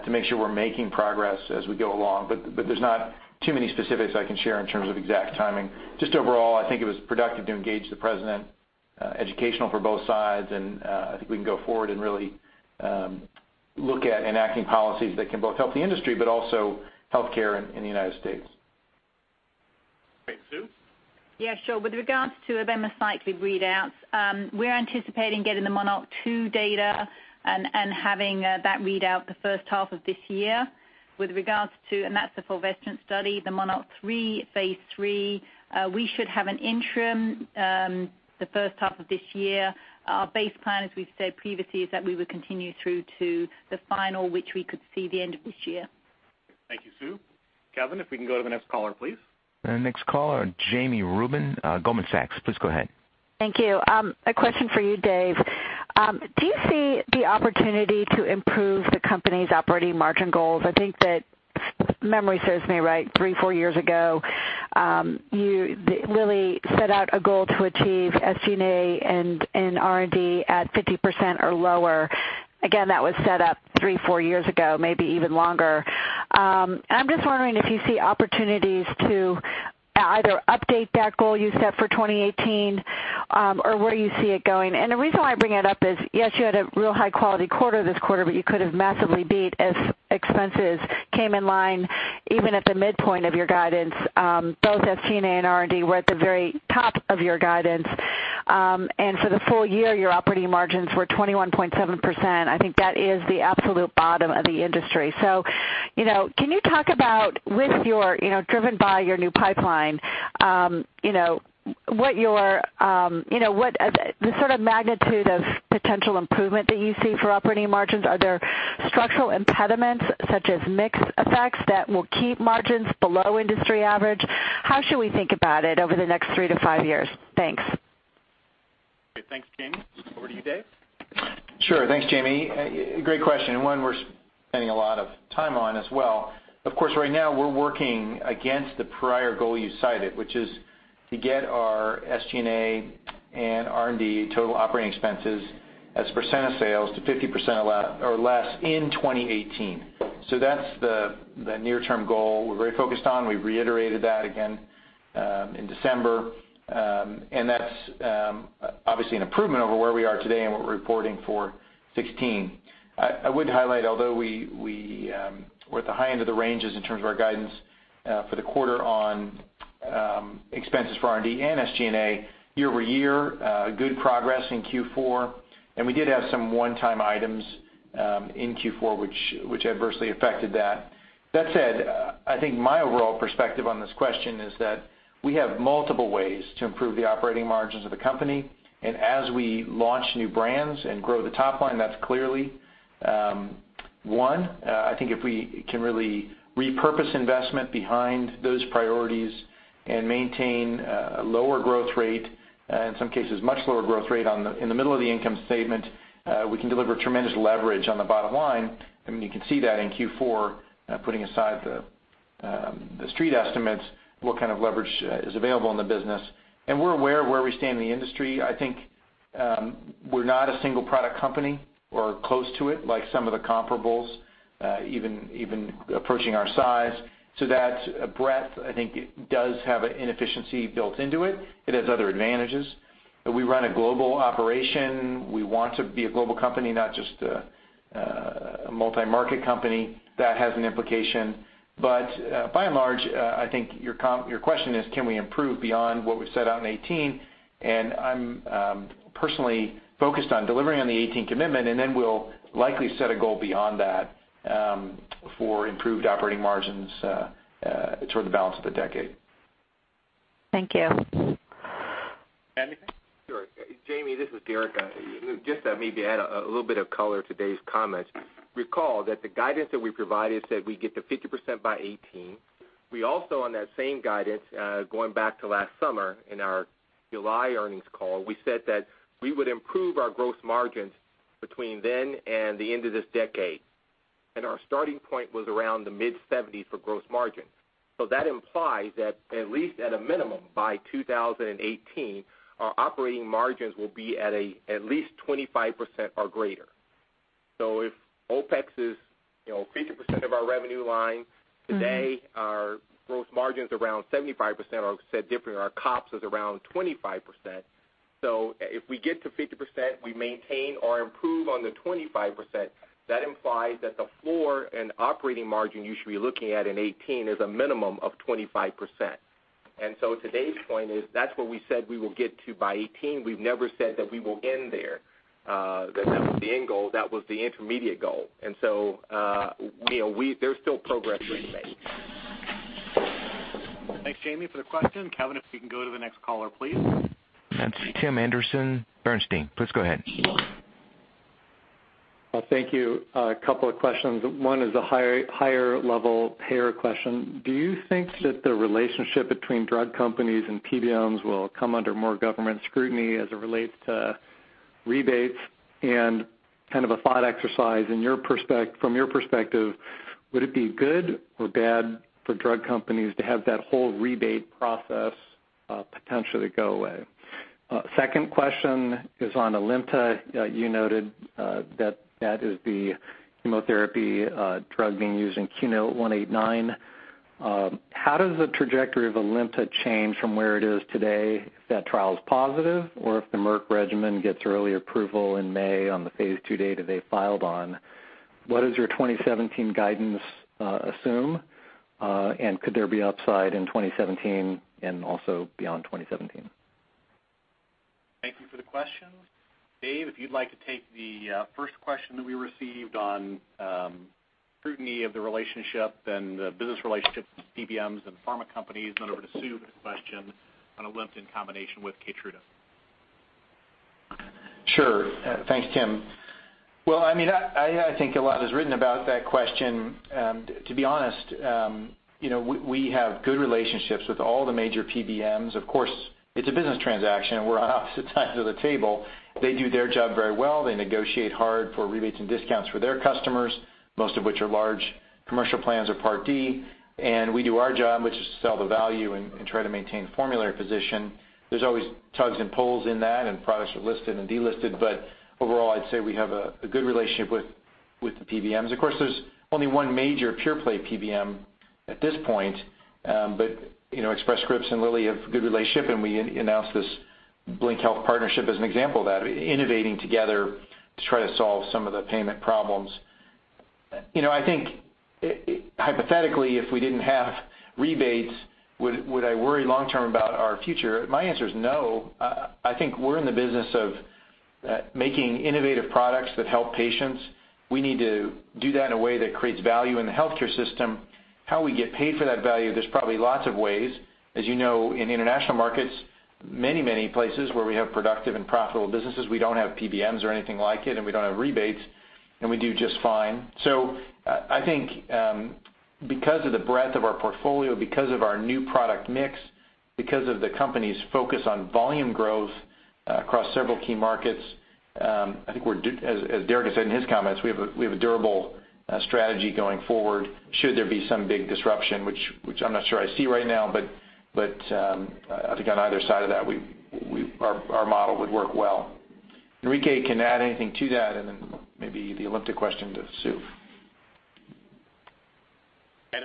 to make sure we're making progress as we go along. There's not too many specifics I can share in terms of exact timing. Just overall, I think it was productive to engage the President, educational for both sides, and I think we can go forward and really look at enacting policies that can both help the industry, but also healthcare in the United States. Great. Su? Yeah, sure. With regards to abemaciclib readouts, we're anticipating getting the MONARCH 2 data and having that readout the first half of this year. With regards to, and that's the fulvestrant study, the MONARCH 3 phase III, we should have an interim the first half of this year. Our base plan, as we've said previously, is that we would continue through to the final, which we could see the end of this year. Thank you, Sue Mahony. Kevin, if we can go to the next caller, please. Next caller, Jami Rubin, Goldman Sachs. Please go ahead. Thank you. A question for you, Dave Ricks. Do you see the opportunity to improve the company's operating margin goals? I think that, if memory serves me right, three, four years ago, you really set out a goal to achieve SG&A and R&D at 50% or lower. Again, that was set up three, four years ago, maybe even longer. I'm just wondering if you see opportunities to either update that goal you set for 2018, or where you see it going. The reason why I bring it up is, yes, you had a real high-quality quarter this quarter, but you could've massively beat as expenses came in line, even at the midpoint of your guidance, both SG&A and R&D were at the very top of your guidance. For the full year, your operating margins were 21.7%. I think that is the absolute bottom of the industry. Can you talk about with your, driven by your new pipeline, the sort of magnitude of potential improvement that you see for operating margins? Are there structural impediments such as mix effects that will keep margins below industry average? How should we think about it over the next three to five years? Thanks. Okay. Thanks, Jami Rubin. Over to you, Dave Ricks. Sure. Thanks, Jami Rubin. Great question, one we're spending a lot of time on as well. Of course, right now, we're working against the prior goal you cited, which is to get our SG&A and R&D total operating expenses as percent of sales to 50% or less in 2018. That's the near-term goal we're very focused on. We've reiterated that again in December. That's obviously an improvement over where we are today and what we're reporting for 2016. I would highlight, although we're at the high end of the ranges in terms of our guidance for the quarter on expenses for R&D and SG&A year-over-year, good progress in Q4, we did have some one-time items in Q4 which adversely affected that. I think my overall perspective on this question is that we have multiple ways to improve the operating margins of the company. As we launch new brands and grow the top line, that's clearly one. I think if we can really repurpose investment behind those priorities and maintain a lower growth rate, in some cases, much lower growth rate in the middle of the income statement, we can deliver tremendous leverage on the bottom line. I mean, you can see that in Q4, putting aside the street estimates, what kind of leverage is available in the business. We're aware of where we stand in the industry. I think we're not a single-product company or close to it like some of the comparables, even approaching our size. That breadth, I think, does have an inefficiency built into it. It has other advantages. We run a global operation. We want to be a global company, not just a multi-market company. That has an implication. By and large, I think your question is can we improve beyond what we've set out in 2018? I'm personally focused on delivering on the 2018 commitment, and then we'll likely set a goal beyond that for improved operating margins toward the balance of the decade. Thank you. anything? Sure. Jami, this is Derica. Just to maybe add a little bit of color to Dave's comments. Recall that the guidance that we provided said we'd get to 50% by 2018. We also, on that same guidance, going back to last summer in our July earnings call, we said that we would improve our gross margins between then and the end of this decade. Our starting point was around the mid-70s for gross margin. That implies that at least at a minimum, by 2018, our operating margins will be at least 25% or greater. If OpEx is 50% of our revenue line. Today, our gross margins around 75%, or said differently, our COGS is around 25%. If we get to 50%, we maintain or improve on the 25%, that implies that the floor and operating margin you should be looking at in 2018 is a minimum of 25%. Dave's point is that's where we said we will get to by 2018. We've never said that we will end there, that that was the end goal. That was the intermediate goal. There's still progress to be made. Thanks, Jami, for the question. Kevin, if you can go to the next caller, please. That's Tim Anderson, Bernstein. Please go ahead. Well, thank you. A couple of questions. One is a higher level payer question. Do you think that the relationship between drug companies and PBMs will come under more government scrutiny as it relates to rebates? Kind of a thought exercise, from your perspective, would it be good or bad for drug companies to have that whole rebate process potentially go away? Second question is on ALIMTA. You noted that that is the chemotherapy drug being used in KEYNOTE-189. How does the trajectory of ALIMTA change from where it is today if that trial is positive, or if the Merck regimen gets early approval in May on the phase II data they filed on? What does your 2017 guidance assume? Could there be upside in 2017 and also beyond 2017? Thank you for the question. Dave, if you'd like to take the first question that we received on scrutiny of the relationship and the business relationship with PBMs and pharma companies, then over to Sue with a question on ALIMTA in combination with KEYTRUDA. Sure. Thanks, Tim. I think a lot is written about that question. To be honest, we have good relationships with all the major PBMs. Of course, it's a business transaction, and we're on opposite sides of the table. They do their job very well. They negotiate hard for rebates and discounts for their customers, most of which are large commercial plans or Part D. We do our job, which is to sell the value and try to maintain formulary position. There's always tugs and pulls in that, and products are listed and de-listed. Overall, I'd say we have a good relationship with the PBMs. Of course, there's only one major pure play PBM at this point. Express Scripts and Lilly have a good relationship, and we announced this Blink Health partnership as an example of that, innovating together to try to solve some of the payment problems. I think hypothetically, if we didn't have rebates, would I worry long-term about our future? My answer is no. I think we're in the business of making innovative products that help patients. We need to do that in a way that creates value in the healthcare system. How we get paid for that value, there's probably lots of ways. As you know, in international markets, many places where we have productive and profitable businesses, we don't have PBMs or anything like it, we don't have rebates, we do just fine. I think because of the breadth of our portfolio, because of our new product mix, because of the company's focus on volume growth across several key markets, I think as Derica has said in his comments, we have a durable strategy going forward should there be some big disruption, which I'm not sure I see right now. I think on either side of that, our model would work well. Enrique can add anything to that, maybe the ALIMTA question to Sue.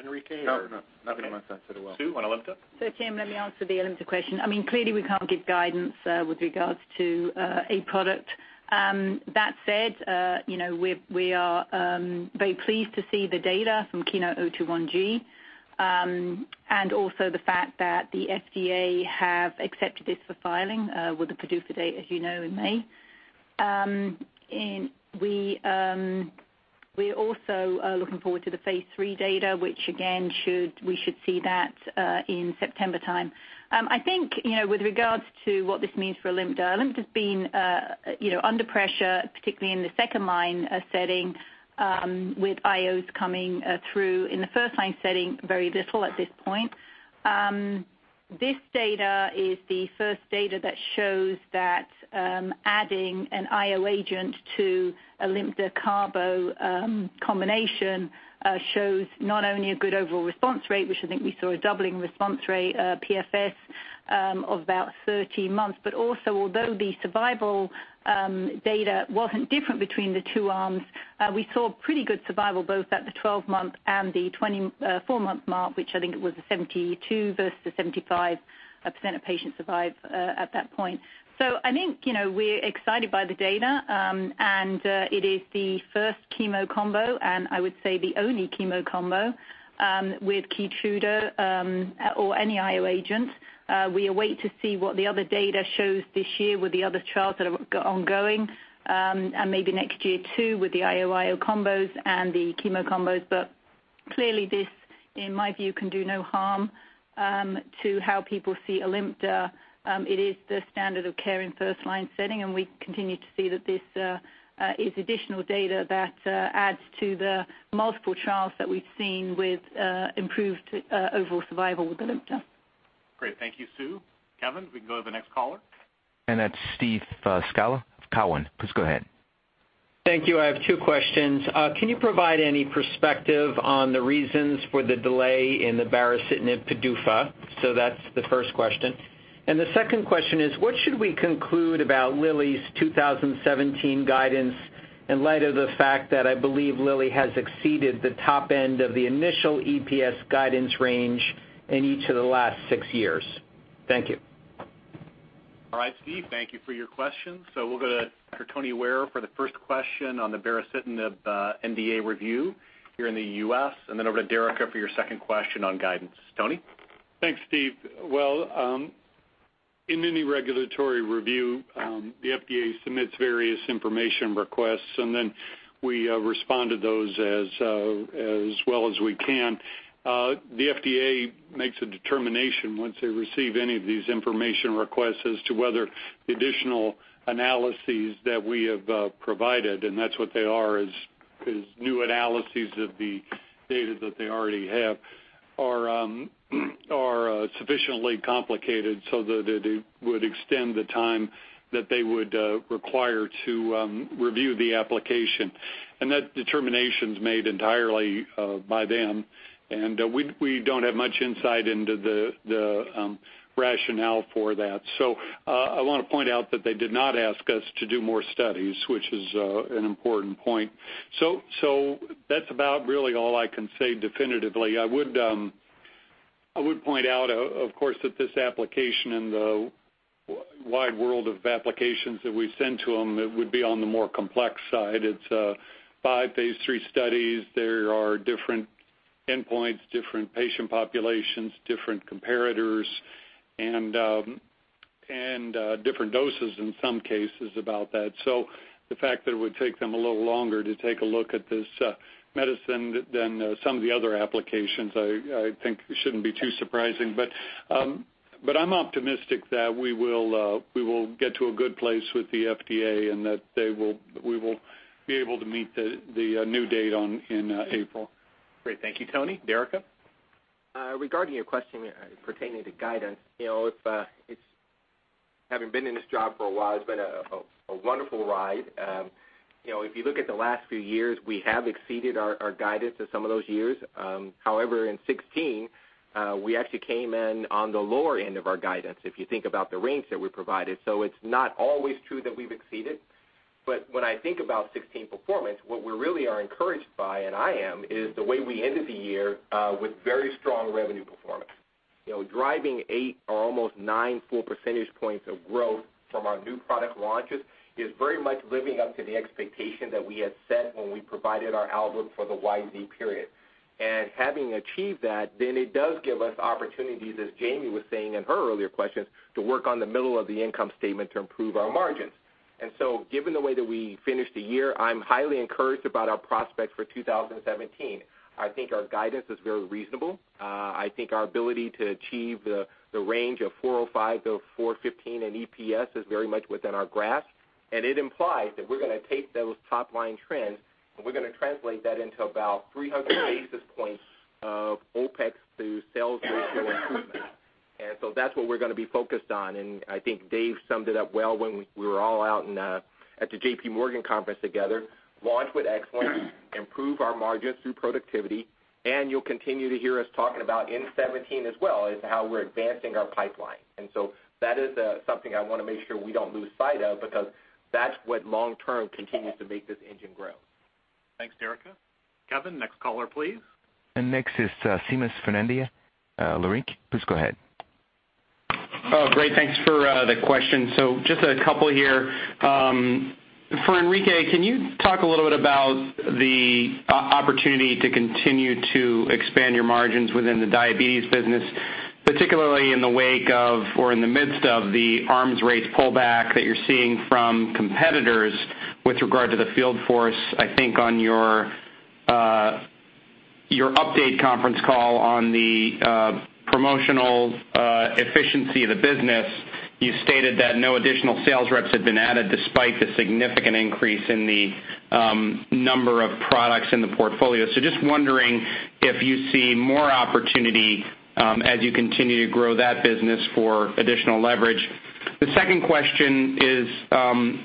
Enrique, or? No, nothing on that side as well. Sue, on ALIMTA? Tim, let me answer the ALIMTA question. Clearly, we can't give guidance with regards to a product. That said, we are very pleased to see the data from KEYNOTE-021G, and also the fact that the FDA have accepted this for filing with the PDUFA date, as you know, in May. We're also looking forward to the phase III data, which again, we should see that in September time. I think, with regards to what this means for ALIMTA's been under pressure, particularly in the second-line setting, with IOs coming through in the first-line setting very little at this point. This data is the first data that shows that adding an IO agent to ALIMTA carbo combination shows not only a good overall response rate, which I think we saw a doubling response rate PFS of about 30 months, but also although the survival data wasn't different between the two arms, we saw pretty good survival both at the 12-month and the 24-month mark, which I think it was a 72% versus the 75% of patients survive at that point. I think, we're excited by the data, and it is the first chemo combo, and I would say the only chemo combo with KEYTRUDA, or any IO agent. We await to see what the other data shows this year with the other trials that have got ongoing, and maybe next year too, with the IO combos and the chemo combos. Clearly this, in my view, can do no harm to how people see ALIMTA. It is the standard of care in first-line setting, We continue to see that this is additional data that adds to the multiple trials that we've seen with improved overall survival with ALIMTA. Great. Thank you, Sue. Kevin, we can go to the next caller. That's Steve Scala of Cowen. Please go ahead. Thank you. I have two questions. Can you provide any perspective on the reasons for the delay in the baricitinib PDUFA? That's the first question. The second question is, what should we conclude about Lilly's 2017 guidance in light of the fact that I believe Lilly has exceeded the top end of the initial EPS guidance range in each of the last six years? Thank you. All right, Steve, thank you for your question. We'll go to Tony Ware for the first question on the baricitinib NDA review here in the U.S., and then over to Derica for your second question on guidance. Tony? Thanks, Steve. In any regulatory review, the FDA submits various information requests, we respond to those as well as we can. The FDA makes a determination once they receive any of these information requests as to whether the additional analyses that we have provided, and that's what they are is new analyses of the data that they already have, are sufficiently complicated so that it would extend the time that they would require to review the application. That determination's made entirely by them, and we don't have much insight into the rationale for that. I want to point out that they did not ask us to do more studies, which is an important point. That's about really all I can say definitively. I would point out, of course, that this application in the wide world of applications that we send to them, it would be on the more complex side. It's five phase III studies. There are different endpoints, different patient populations, different comparators, and different doses in some cases about that. The fact that it would take them a little longer to take a look at this medicine than some of the other applications, I think shouldn't be too surprising. I'm optimistic that we will get to a good place with the FDA, and that we will be able to meet the new date in April. Great. Thank you, Tony. Derica? Regarding your question pertaining to guidance, having been in this job for a while, it's been a wonderful ride. If you look at the last few years, we have exceeded our guidance in some of those years. In 2016, we actually came in on the lower end of our guidance, if you think about the range that we provided. It's not always true that we've exceeded. When I think about 2016 performance, what we really are encouraged by, and I am, is the way we ended the year with very strong revenue performance. Driving eight or almost nine full percentage points of growth from our new product launches is very much living up to the expectation that we had set when we provided our outlook for the YZ period. Having achieved that, it does give us opportunities, as Jami was saying in her earlier questions, to work on the middle of the income statement to improve our margins. Given the way that we finished the year, I'm highly encouraged about our prospects for 2017. I think our guidance is very reasonable. I think our ability to achieve the range of 405 to 415 in EPS is very much within our grasp, and it implies that we're going to take those top-line trends, and we're going to translate that into about 300 basis points of OpEx through sales ratio improvement. That's what we're going to be focused on, and I think Dave summed it up well when we were all out at the J.P. Morgan conference together. Launch with excellence, improve our margins through productivity, you'll continue to hear us talking about in 2017 as well is how we're advancing our pipeline. That is something I want to make sure we don't lose sight of because that's what long term continues to make this engine grow. Thanks, Derica. Kevin, next caller, please. Next is Seamus Fernandez, Leerink. Please go ahead. Great. Thanks for the question. Just a couple here. For Enrique, can you talk a little bit about the opportunity to continue to expand your margins within the Lilly Diabetes business, particularly in the wake of or in the midst of the arms race pullback that you're seeing from competitors with regard to the field force? I think on your update conference call on the promotional efficiency of the business, you stated that no additional sales reps had been added despite the significant increase in the number of products in the portfolio. Just wondering if you see more opportunity as you continue to grow that business for additional leverage. The second question is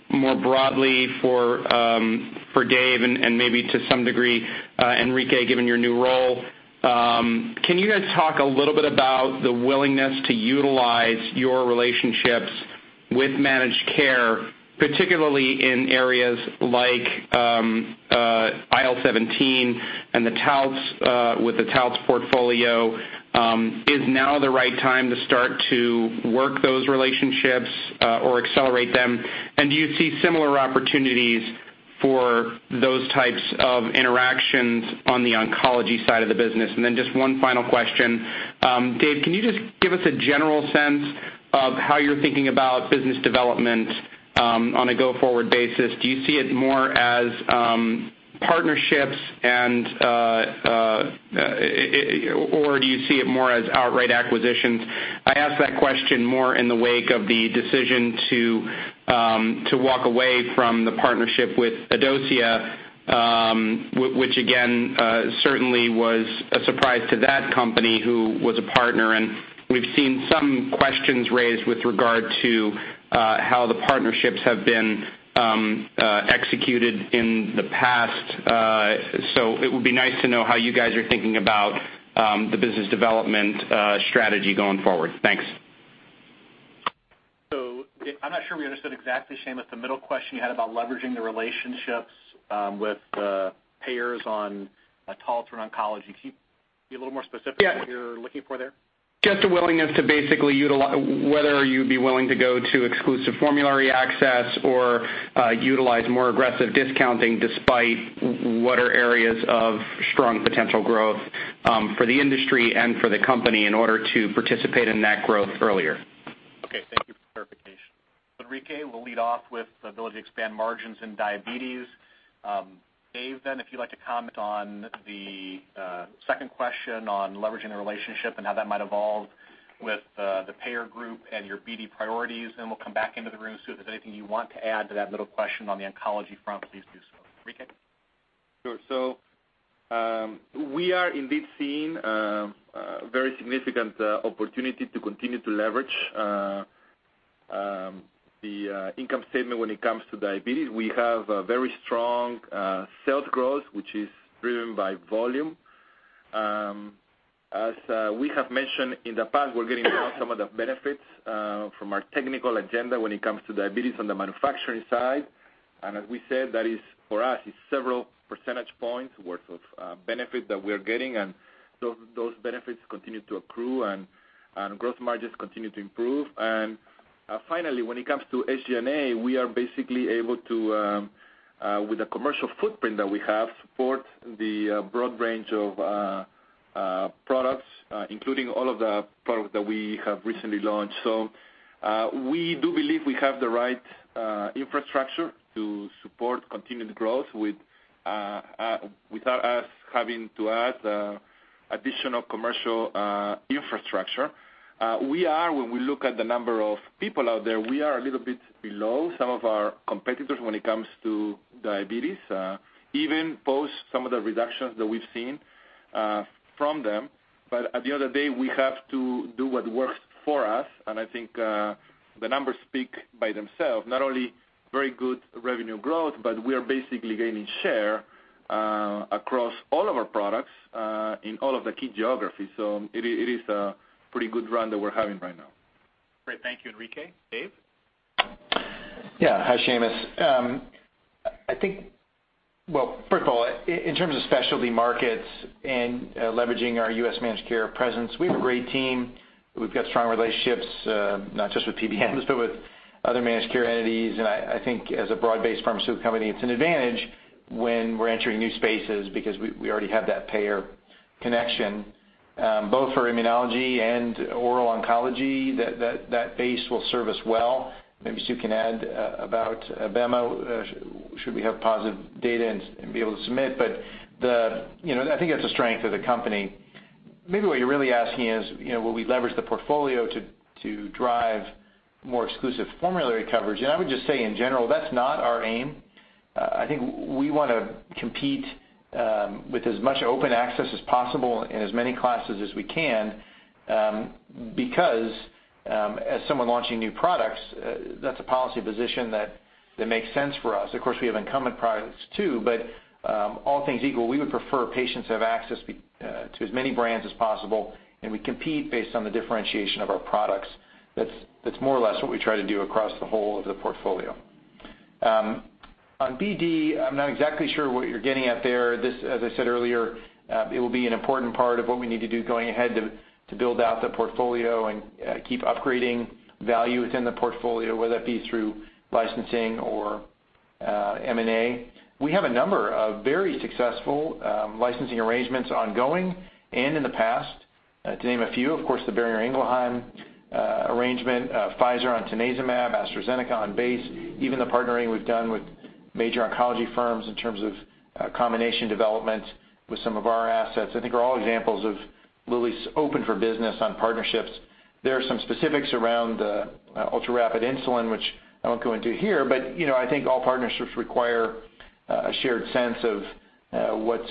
more broadly for Dave and maybe to some degree, Enrique, given your new role. Can you guys talk a little bit about the willingness to utilize your relationships with managed care, particularly in areas like IL-17 and with the TALTZ portfolio? Is now the right time to start to work those relationships or accelerate them? Do you see similar opportunities for those types of interactions on the Lilly Oncology side of the business? Just one final question. Dave, can you just give us a general sense of how you're thinking about business development on a go-forward basis? Do you see it more as partnerships or do you see it more as outright acquisitions? I ask that question more in the wake of the decision to walk away from the partnership with Adocia, which again certainly was a surprise to that company who was a partner, and we've seen some questions raised with regard to how the partnerships have been executed in the past. It would be nice to know how you guys are thinking about the business development strategy going forward. Thanks. Exactly, Seamus, the middle question you had about leveraging the relationships with the payers on TALTZ or oncology. Can you be a little more specific- Yeah on what you're looking for there? Just a willingness to basically, whether you'd be willing to go to exclusive formulary access or utilize more aggressive discounting despite what are areas of strong potential growth for the industry and for the company in order to participate in that growth earlier. Okay. Thank you for the clarification. Enrique, we'll lead off with the ability to expand margins in diabetes. Dave, then, if you'd like to comment on the second question on leveraging the relationship and how that might evolve with the payer group and your BD priorities, then we'll come back into the room. Sue, if there's anything you want to add to that middle question on the oncology front, please do so. Enrique? Sure. We are indeed seeing a very significant opportunity to continue to leverage the income statement when it comes to diabetes. We have a very strong sales growth, which is driven by volume. As we have mentioned in the past, we're getting now some of the benefits from our technical agenda when it comes to diabetes on the manufacturing side. As we said, that is for us, is several percentage points worth of benefit that we are getting, and those benefits continue to accrue, and growth margins continue to improve. Finally, when it comes to SG&A, we are basically able to, with the commercial footprint that we have, support the broad range of products, including all of the products that we have recently launched. We do believe we have the right infrastructure to support continued growth without us having to add additional commercial infrastructure. When we look at the number of people out there, we are a little bit below some of our competitors when it comes to diabetes, even post some of the reductions that we've seen from them. At the end of the day, we have to do what works for us, and I think the numbers speak by themselves, not only very good revenue growth, but we are basically gaining share across all of our products in all of the key geographies. It is a pretty good run that we're having right now. Great. Thank you, Enrique. Dave? Hi, Seamus. Well, first of all, in terms of specialty markets and leveraging our U.S. managed care presence, we have a great team. We've got strong relationships, not just with PBMs, but with other managed care entities. I think as a broad-based pharmaceutical company, it's an advantage when we're entering new spaces because we already have that payer connection. Both for immunology and oral oncology, that base will serve us well. Maybe Sue can add about abemaciclib, should we have positive data and be able to submit. But I think that's a strength of the company. Maybe what you're really asking is will we leverage the portfolio to drive more exclusive formulary coverage? I would just say, in general, that's not our aim. I think we want to compete with as much open access as possible in as many classes as we can, because as someone launching new products, that's a policy position that makes sense for us. Of course, we have incumbent products too, but all things equal, we would prefer patients have access to as many brands as possible, and we compete based on the differentiation of our products. That's more or less what we try to do across the whole of the portfolio. On BD, I'm not exactly sure what you're getting at there. As I said earlier, it will be an important part of what we need to do going ahead to build out the portfolio and keep upgrading value within the portfolio, whether that be through licensing or M&A. We have a number of very successful licensing arrangements ongoing and in the past. To name a few, of course, the Boehringer Ingelheim arrangement, Pfizer on tanezumab, AstraZeneca on BACE, even the partnering we've done with major oncology firms in terms of combination development with some of our assets. I think are all examples of Lilly's open for business on partnerships. There are some specifics around the ultra-rapid insulin, which I won't go into here, but I think all partnerships require a shared sense of what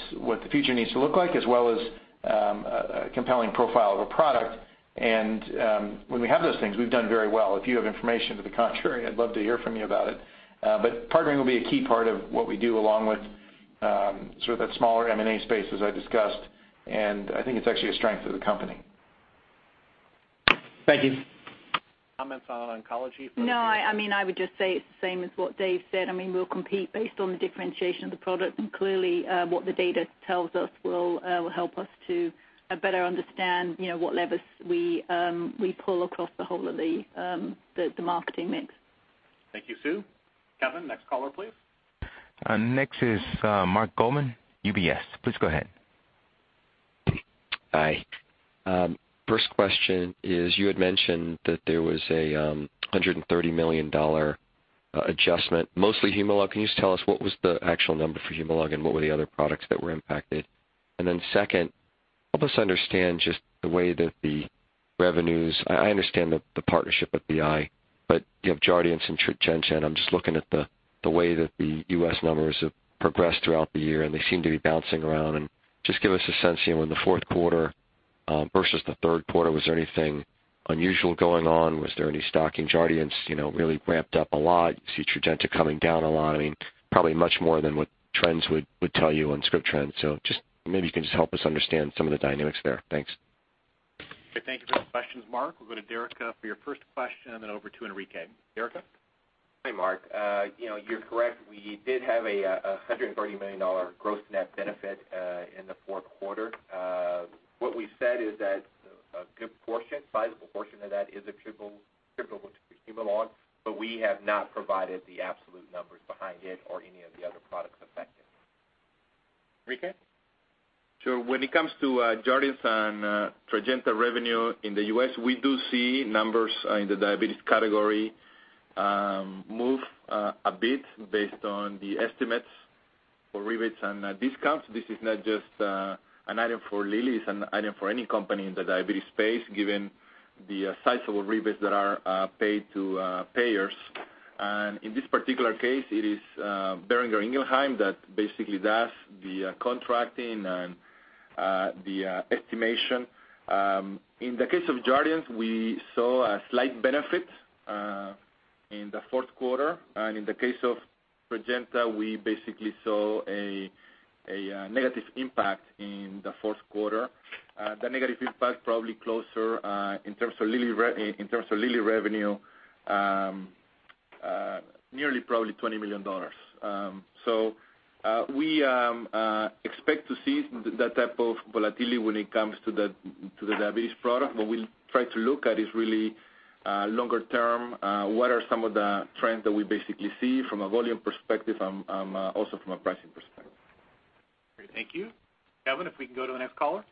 the future needs to look like, as well as a compelling profile of a product. When we have those things, we've done very well. If you have information to the contrary, I'd love to hear from you about it. Partnering will be a key part of what we do along with sort of that smaller M&A space, as I discussed, and I think it's actually a strength of the company. Thank you. Comments on oncology from Sue? No, I would just say it's the same as what Dave said. We'll compete based on the differentiation of the product, and clearly what the data tells us will help us to better understand what levers we pull across the whole of the marketing mix. Thank you, Susan. Kevin, next caller, please. Next is Marc Goodman, UBS. Please go ahead. Hi. First question is, you had mentioned that there was a $130 million adjustment, mostly HUMALOG. Can you just tell us what was the actual number for HUMALOG, and what were the other products that were impacted? Then second, help us understand just the way that the revenues. I understand the partnership with BI, but you have Jardiance and Tradjenta. I'm just looking at the way that the U.S. numbers have progressed throughout the year. They seem to be bouncing around. Just give us a sense in the fourth quarter versus the third quarter, was there anything unusual going on? Was there any stockings? Jardiance really ramped up a lot. You see Tradjenta coming down a lot. Probably much more than what trends would tell you on script trends. Just maybe you can just help us understand some of the dynamics there. Thanks. Okay, thank you for the questions, Mark. We'll go to Derica for your first question, and then over to Enrique. Derica? Hi, Mark. You're correct. We did have a $130 million gross net benefit in the fourth quarter. We've said is that a good portion, sizable portion of that is attributable to Trulicity, we have not provided the absolute numbers behind it or any of the other products affected. Enrique? Sure. When it comes to Jardiance and Tradjenta revenue in the U.S., we do see numbers in the diabetes category move a bit based on the estimates for rebates and discounts. This is not just an item for Lilly, it's an item for any company in the diabetes space, given the sizable rebates that are paid to payers. In this particular case, it is Boehringer Ingelheim that basically does the contracting and the estimation. In the case of Jardiance, we saw a slight benefit in the fourth quarter. In the case of Tradjenta, we basically saw a negative impact in the fourth quarter. The negative impact probably closer, in terms of Lilly revenue, nearly probably $20 million. We expect to see that type of volatility when it comes to the diabetes product. What we'll try to look at is really longer term, what are some of the trends that we basically see from a volume perspective and also from a pricing perspective. Great. Thank you. Kevin, if we can go to the next caller.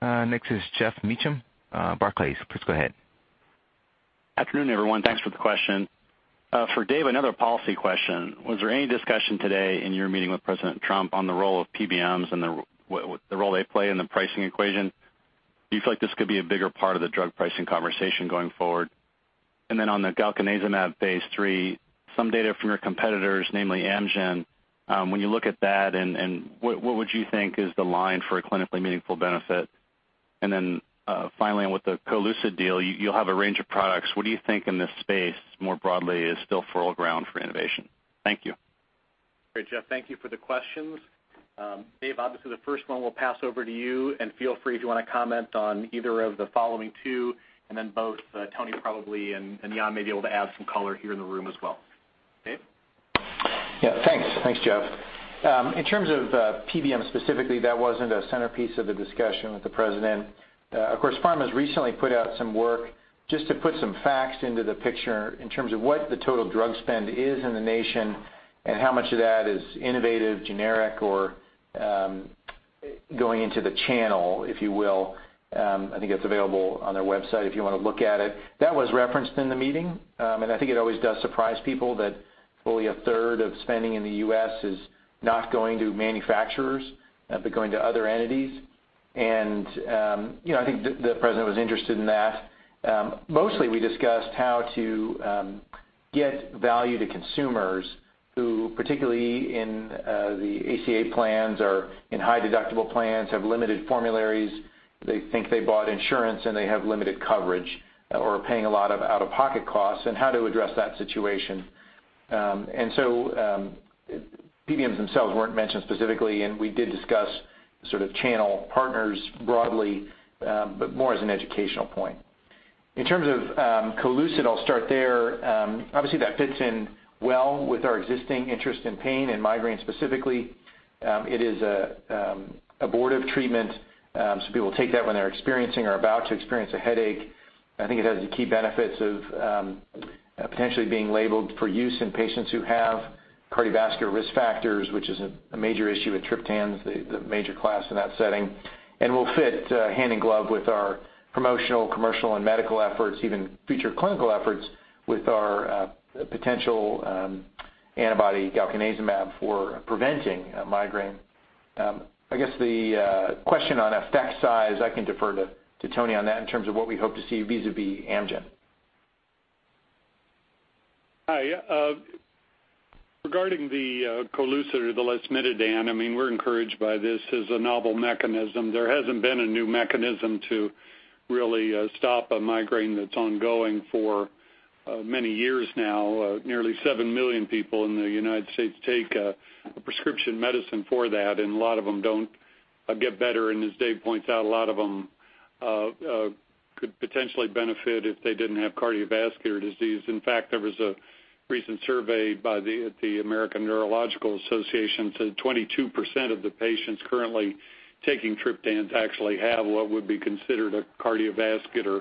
Next is Jeff Meacham, Barclays. Please go ahead. Afternoon, everyone. Thanks for the question. For Dave, another policy question. Was there any discussion today in your meeting with President Trump on the role of PBMs and the role they play in the pricing equation? Do you feel like this could be a bigger part of the drug pricing conversation going forward? On the galcanezumab phase III, some data from your competitors, namely Amgen, when you look at that, what would you think is the line for a clinically meaningful benefit? Finally, with the CoLucid deal, you'll have a range of products. What do you think in this space, more broadly, is still fertile ground for innovation? Thank you. Great, Jeff. Thank you for the questions. Dave, obviously the first one we'll pass over to you, feel free if you want to comment on either of the following two, both Tony probably and Jan may be able to add some color here in the room as well. Dave? Yeah, thanks. Thanks, Jeff. In terms of PBM specifically, that wasn't a centerpiece of the discussion with the president. Of course, PhRMA recently put out some work just to put some facts into the picture in terms of what the total drug spend is in the nation and how much of that is innovative, generic, or going into the channel, if you will. I think it's available on their website if you want to look at it. That was referenced in the meeting. I think it always does surprise people that fully a third of spending in the U.S. is not going to manufacturers, but going to other entities. I think the president was interested in that. Mostly we discussed how to get value to consumers who, particularly in the ACA plans or in high-deductible plans, have limited formularies. They think they bought insurance and they have limited coverage or are paying a lot of out-of-pocket costs and how to address that situation. PBMs themselves weren't mentioned specifically, we did discuss sort of channel partners broadly, but more as an educational point. In terms of CoLucid, I'll start there. Obviously, that fits in well with our existing interest in pain and migraine specifically. It is an abortive treatment, so people take that when they're experiencing or about to experience a headache. I think it has the key benefits of potentially being labeled for use in patients who have cardiovascular risk factors, which is a major issue with triptans, the major class in that setting, and will fit hand in glove with our promotional, commercial, and medical efforts, even future clinical efforts with our potential antibody galcanezumab for preventing migraine. I guess the question on effect size, I can defer to Tony on that in terms of what we hope to see vis-à-vis Amgen. Hi. Regarding the CoLucid or the lasmiditan, we're encouraged by this as a novel mechanism. There hasn't been a new mechanism to really stop a migraine that's ongoing for many years now. Nearly 7 million people in the United States take a prescription medicine for that, and a lot of them don't get better, and as Dave points out, a lot of them could potentially benefit if they didn't have cardiovascular disease. In fact, there was a recent survey by the American Headache Society said 22% of the patients currently taking triptans actually have what would be considered a cardiovascular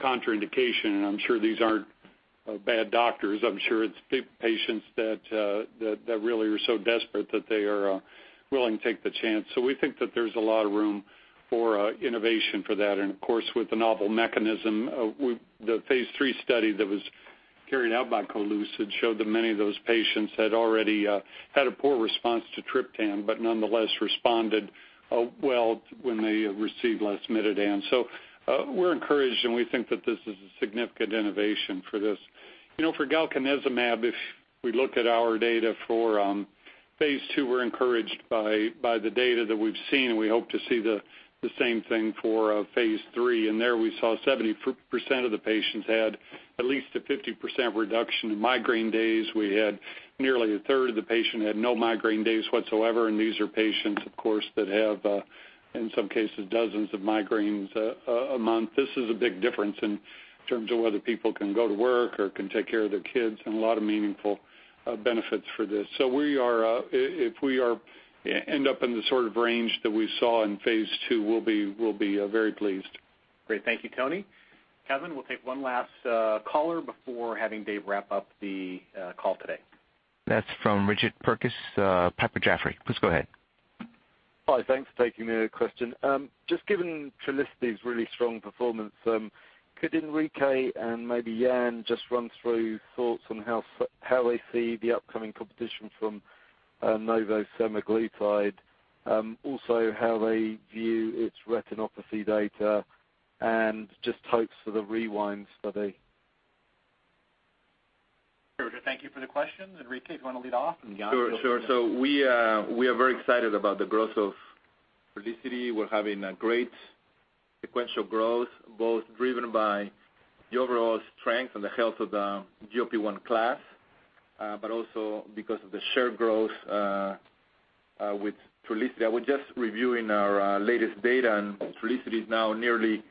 contraindication. I'm sure these aren't bad doctors. I'm sure it's patients that really are so desperate that they are willing to take the chance. We think that there's a lot of room for innovation for that. Of course, with the novel mechanism, the phase III study that was carried out by CoLucid showed that many of those patients had already had a poor response to triptan, but nonetheless responded well when they received lasmiditan. We're encouraged, and we think that this is a significant innovation for this. For galcanezumab, if we look at our data for phase II, we're encouraged by the data that we've seen, and we hope to see the same thing for phase III. There we saw 70% of the patients had at least a 50% reduction in migraine days. We had nearly a third of the patient had no migraine days whatsoever, and these are patients, of course, that have, in some cases, dozens of migraines a month. This is a big difference in terms of whether people can go to work or can take care of their kids, and a lot of meaningful benefits for this. If we end up in the sort of range that we saw in phase II, we'll be very pleased. Great. Thank you, Tony. Kevin, we'll take one last caller before having Dave wrap up the call today. That's from Richard Purkis, Piper Jaffray. Please go ahead. Hi. Thanks for taking their question. Just given Trulicity's really strong performance, could Enrique and maybe Jan just run through thoughts on how they see the upcoming competition from Novo Nordisk semaglutide? How they view its retinopathy data and just hopes for the REWIND study. Sure. Thank you for the question. Enrique, if you want to lead off, and Jan- Sure. We are very excited about the growth of Trulicity. We're having a great sequential growth, both driven by the overall strength and the health of the GLP-1 class, but also because of the shared growth, with Trulicity. I was just reviewing our latest data, and Trulicity now nearly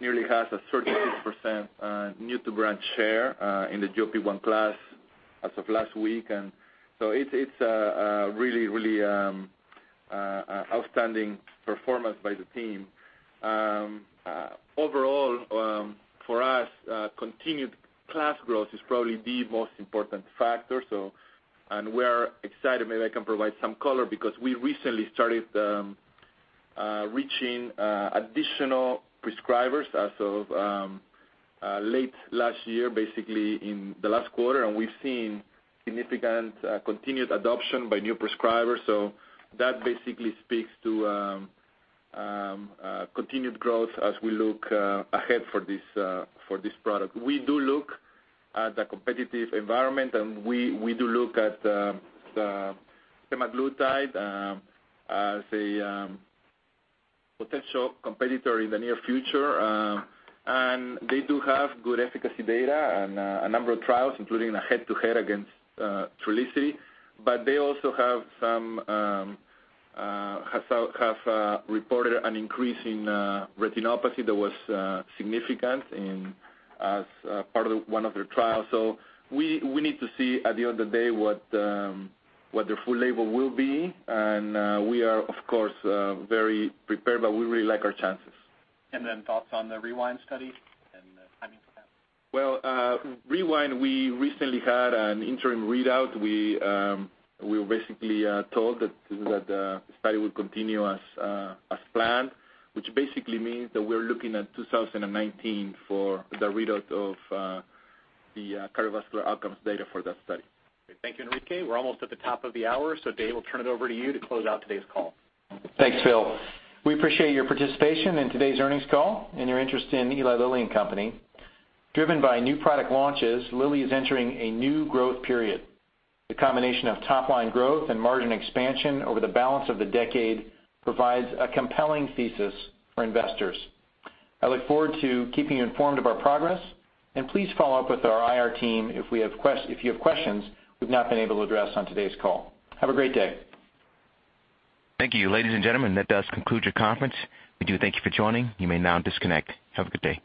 has a 36% new to brand share, in the GLP-1 class as of last week. It's a really outstanding performance by the team. Overall, for us, continued class growth is probably the most important factor. We're excited maybe I can provide some color because we recently started reaching additional prescribers as of late last year, basically in the last quarter. We've seen significant continued adoption by new prescribers. That basically speaks to continued growth as we look ahead for this product. We do look at the competitive environment, and we do look at the semaglutide as a potential competitor in the near future. They do have good efficacy data and a number of trials, including a head-to-head against Trulicity. They also have reported an increase in retinopathy that was significant as part of one of their trials. We need to see at the end of the day what their full label will be. We are, of course, very prepared, but we really like our chances. thoughts on the REWIND study and the timing for that? Well, REWIND, we recently had an interim readout. We were basically told that the study will continue as planned, which basically means that we're looking at 2019 for the readout of the cardiovascular outcomes data for that study. Great. Thank you, Enrique. We're almost at the top of the hour. Dave, we'll turn it over to you to close out today's call. Thanks, Phil. We appreciate your participation in today's earnings call and your interest in Eli Lilly and Company. Driven by new product launches, Lilly is entering a new growth period. The combination of top-line growth and margin expansion over the balance of the decade provides a compelling thesis for investors. I look forward to keeping you informed of our progress, and please follow up with our IR team if you have questions we've not been able to address on today's call. Have a great day. Thank you. Ladies and gentlemen, that does conclude your conference. We do thank you for joining. You may now disconnect. Have a good day.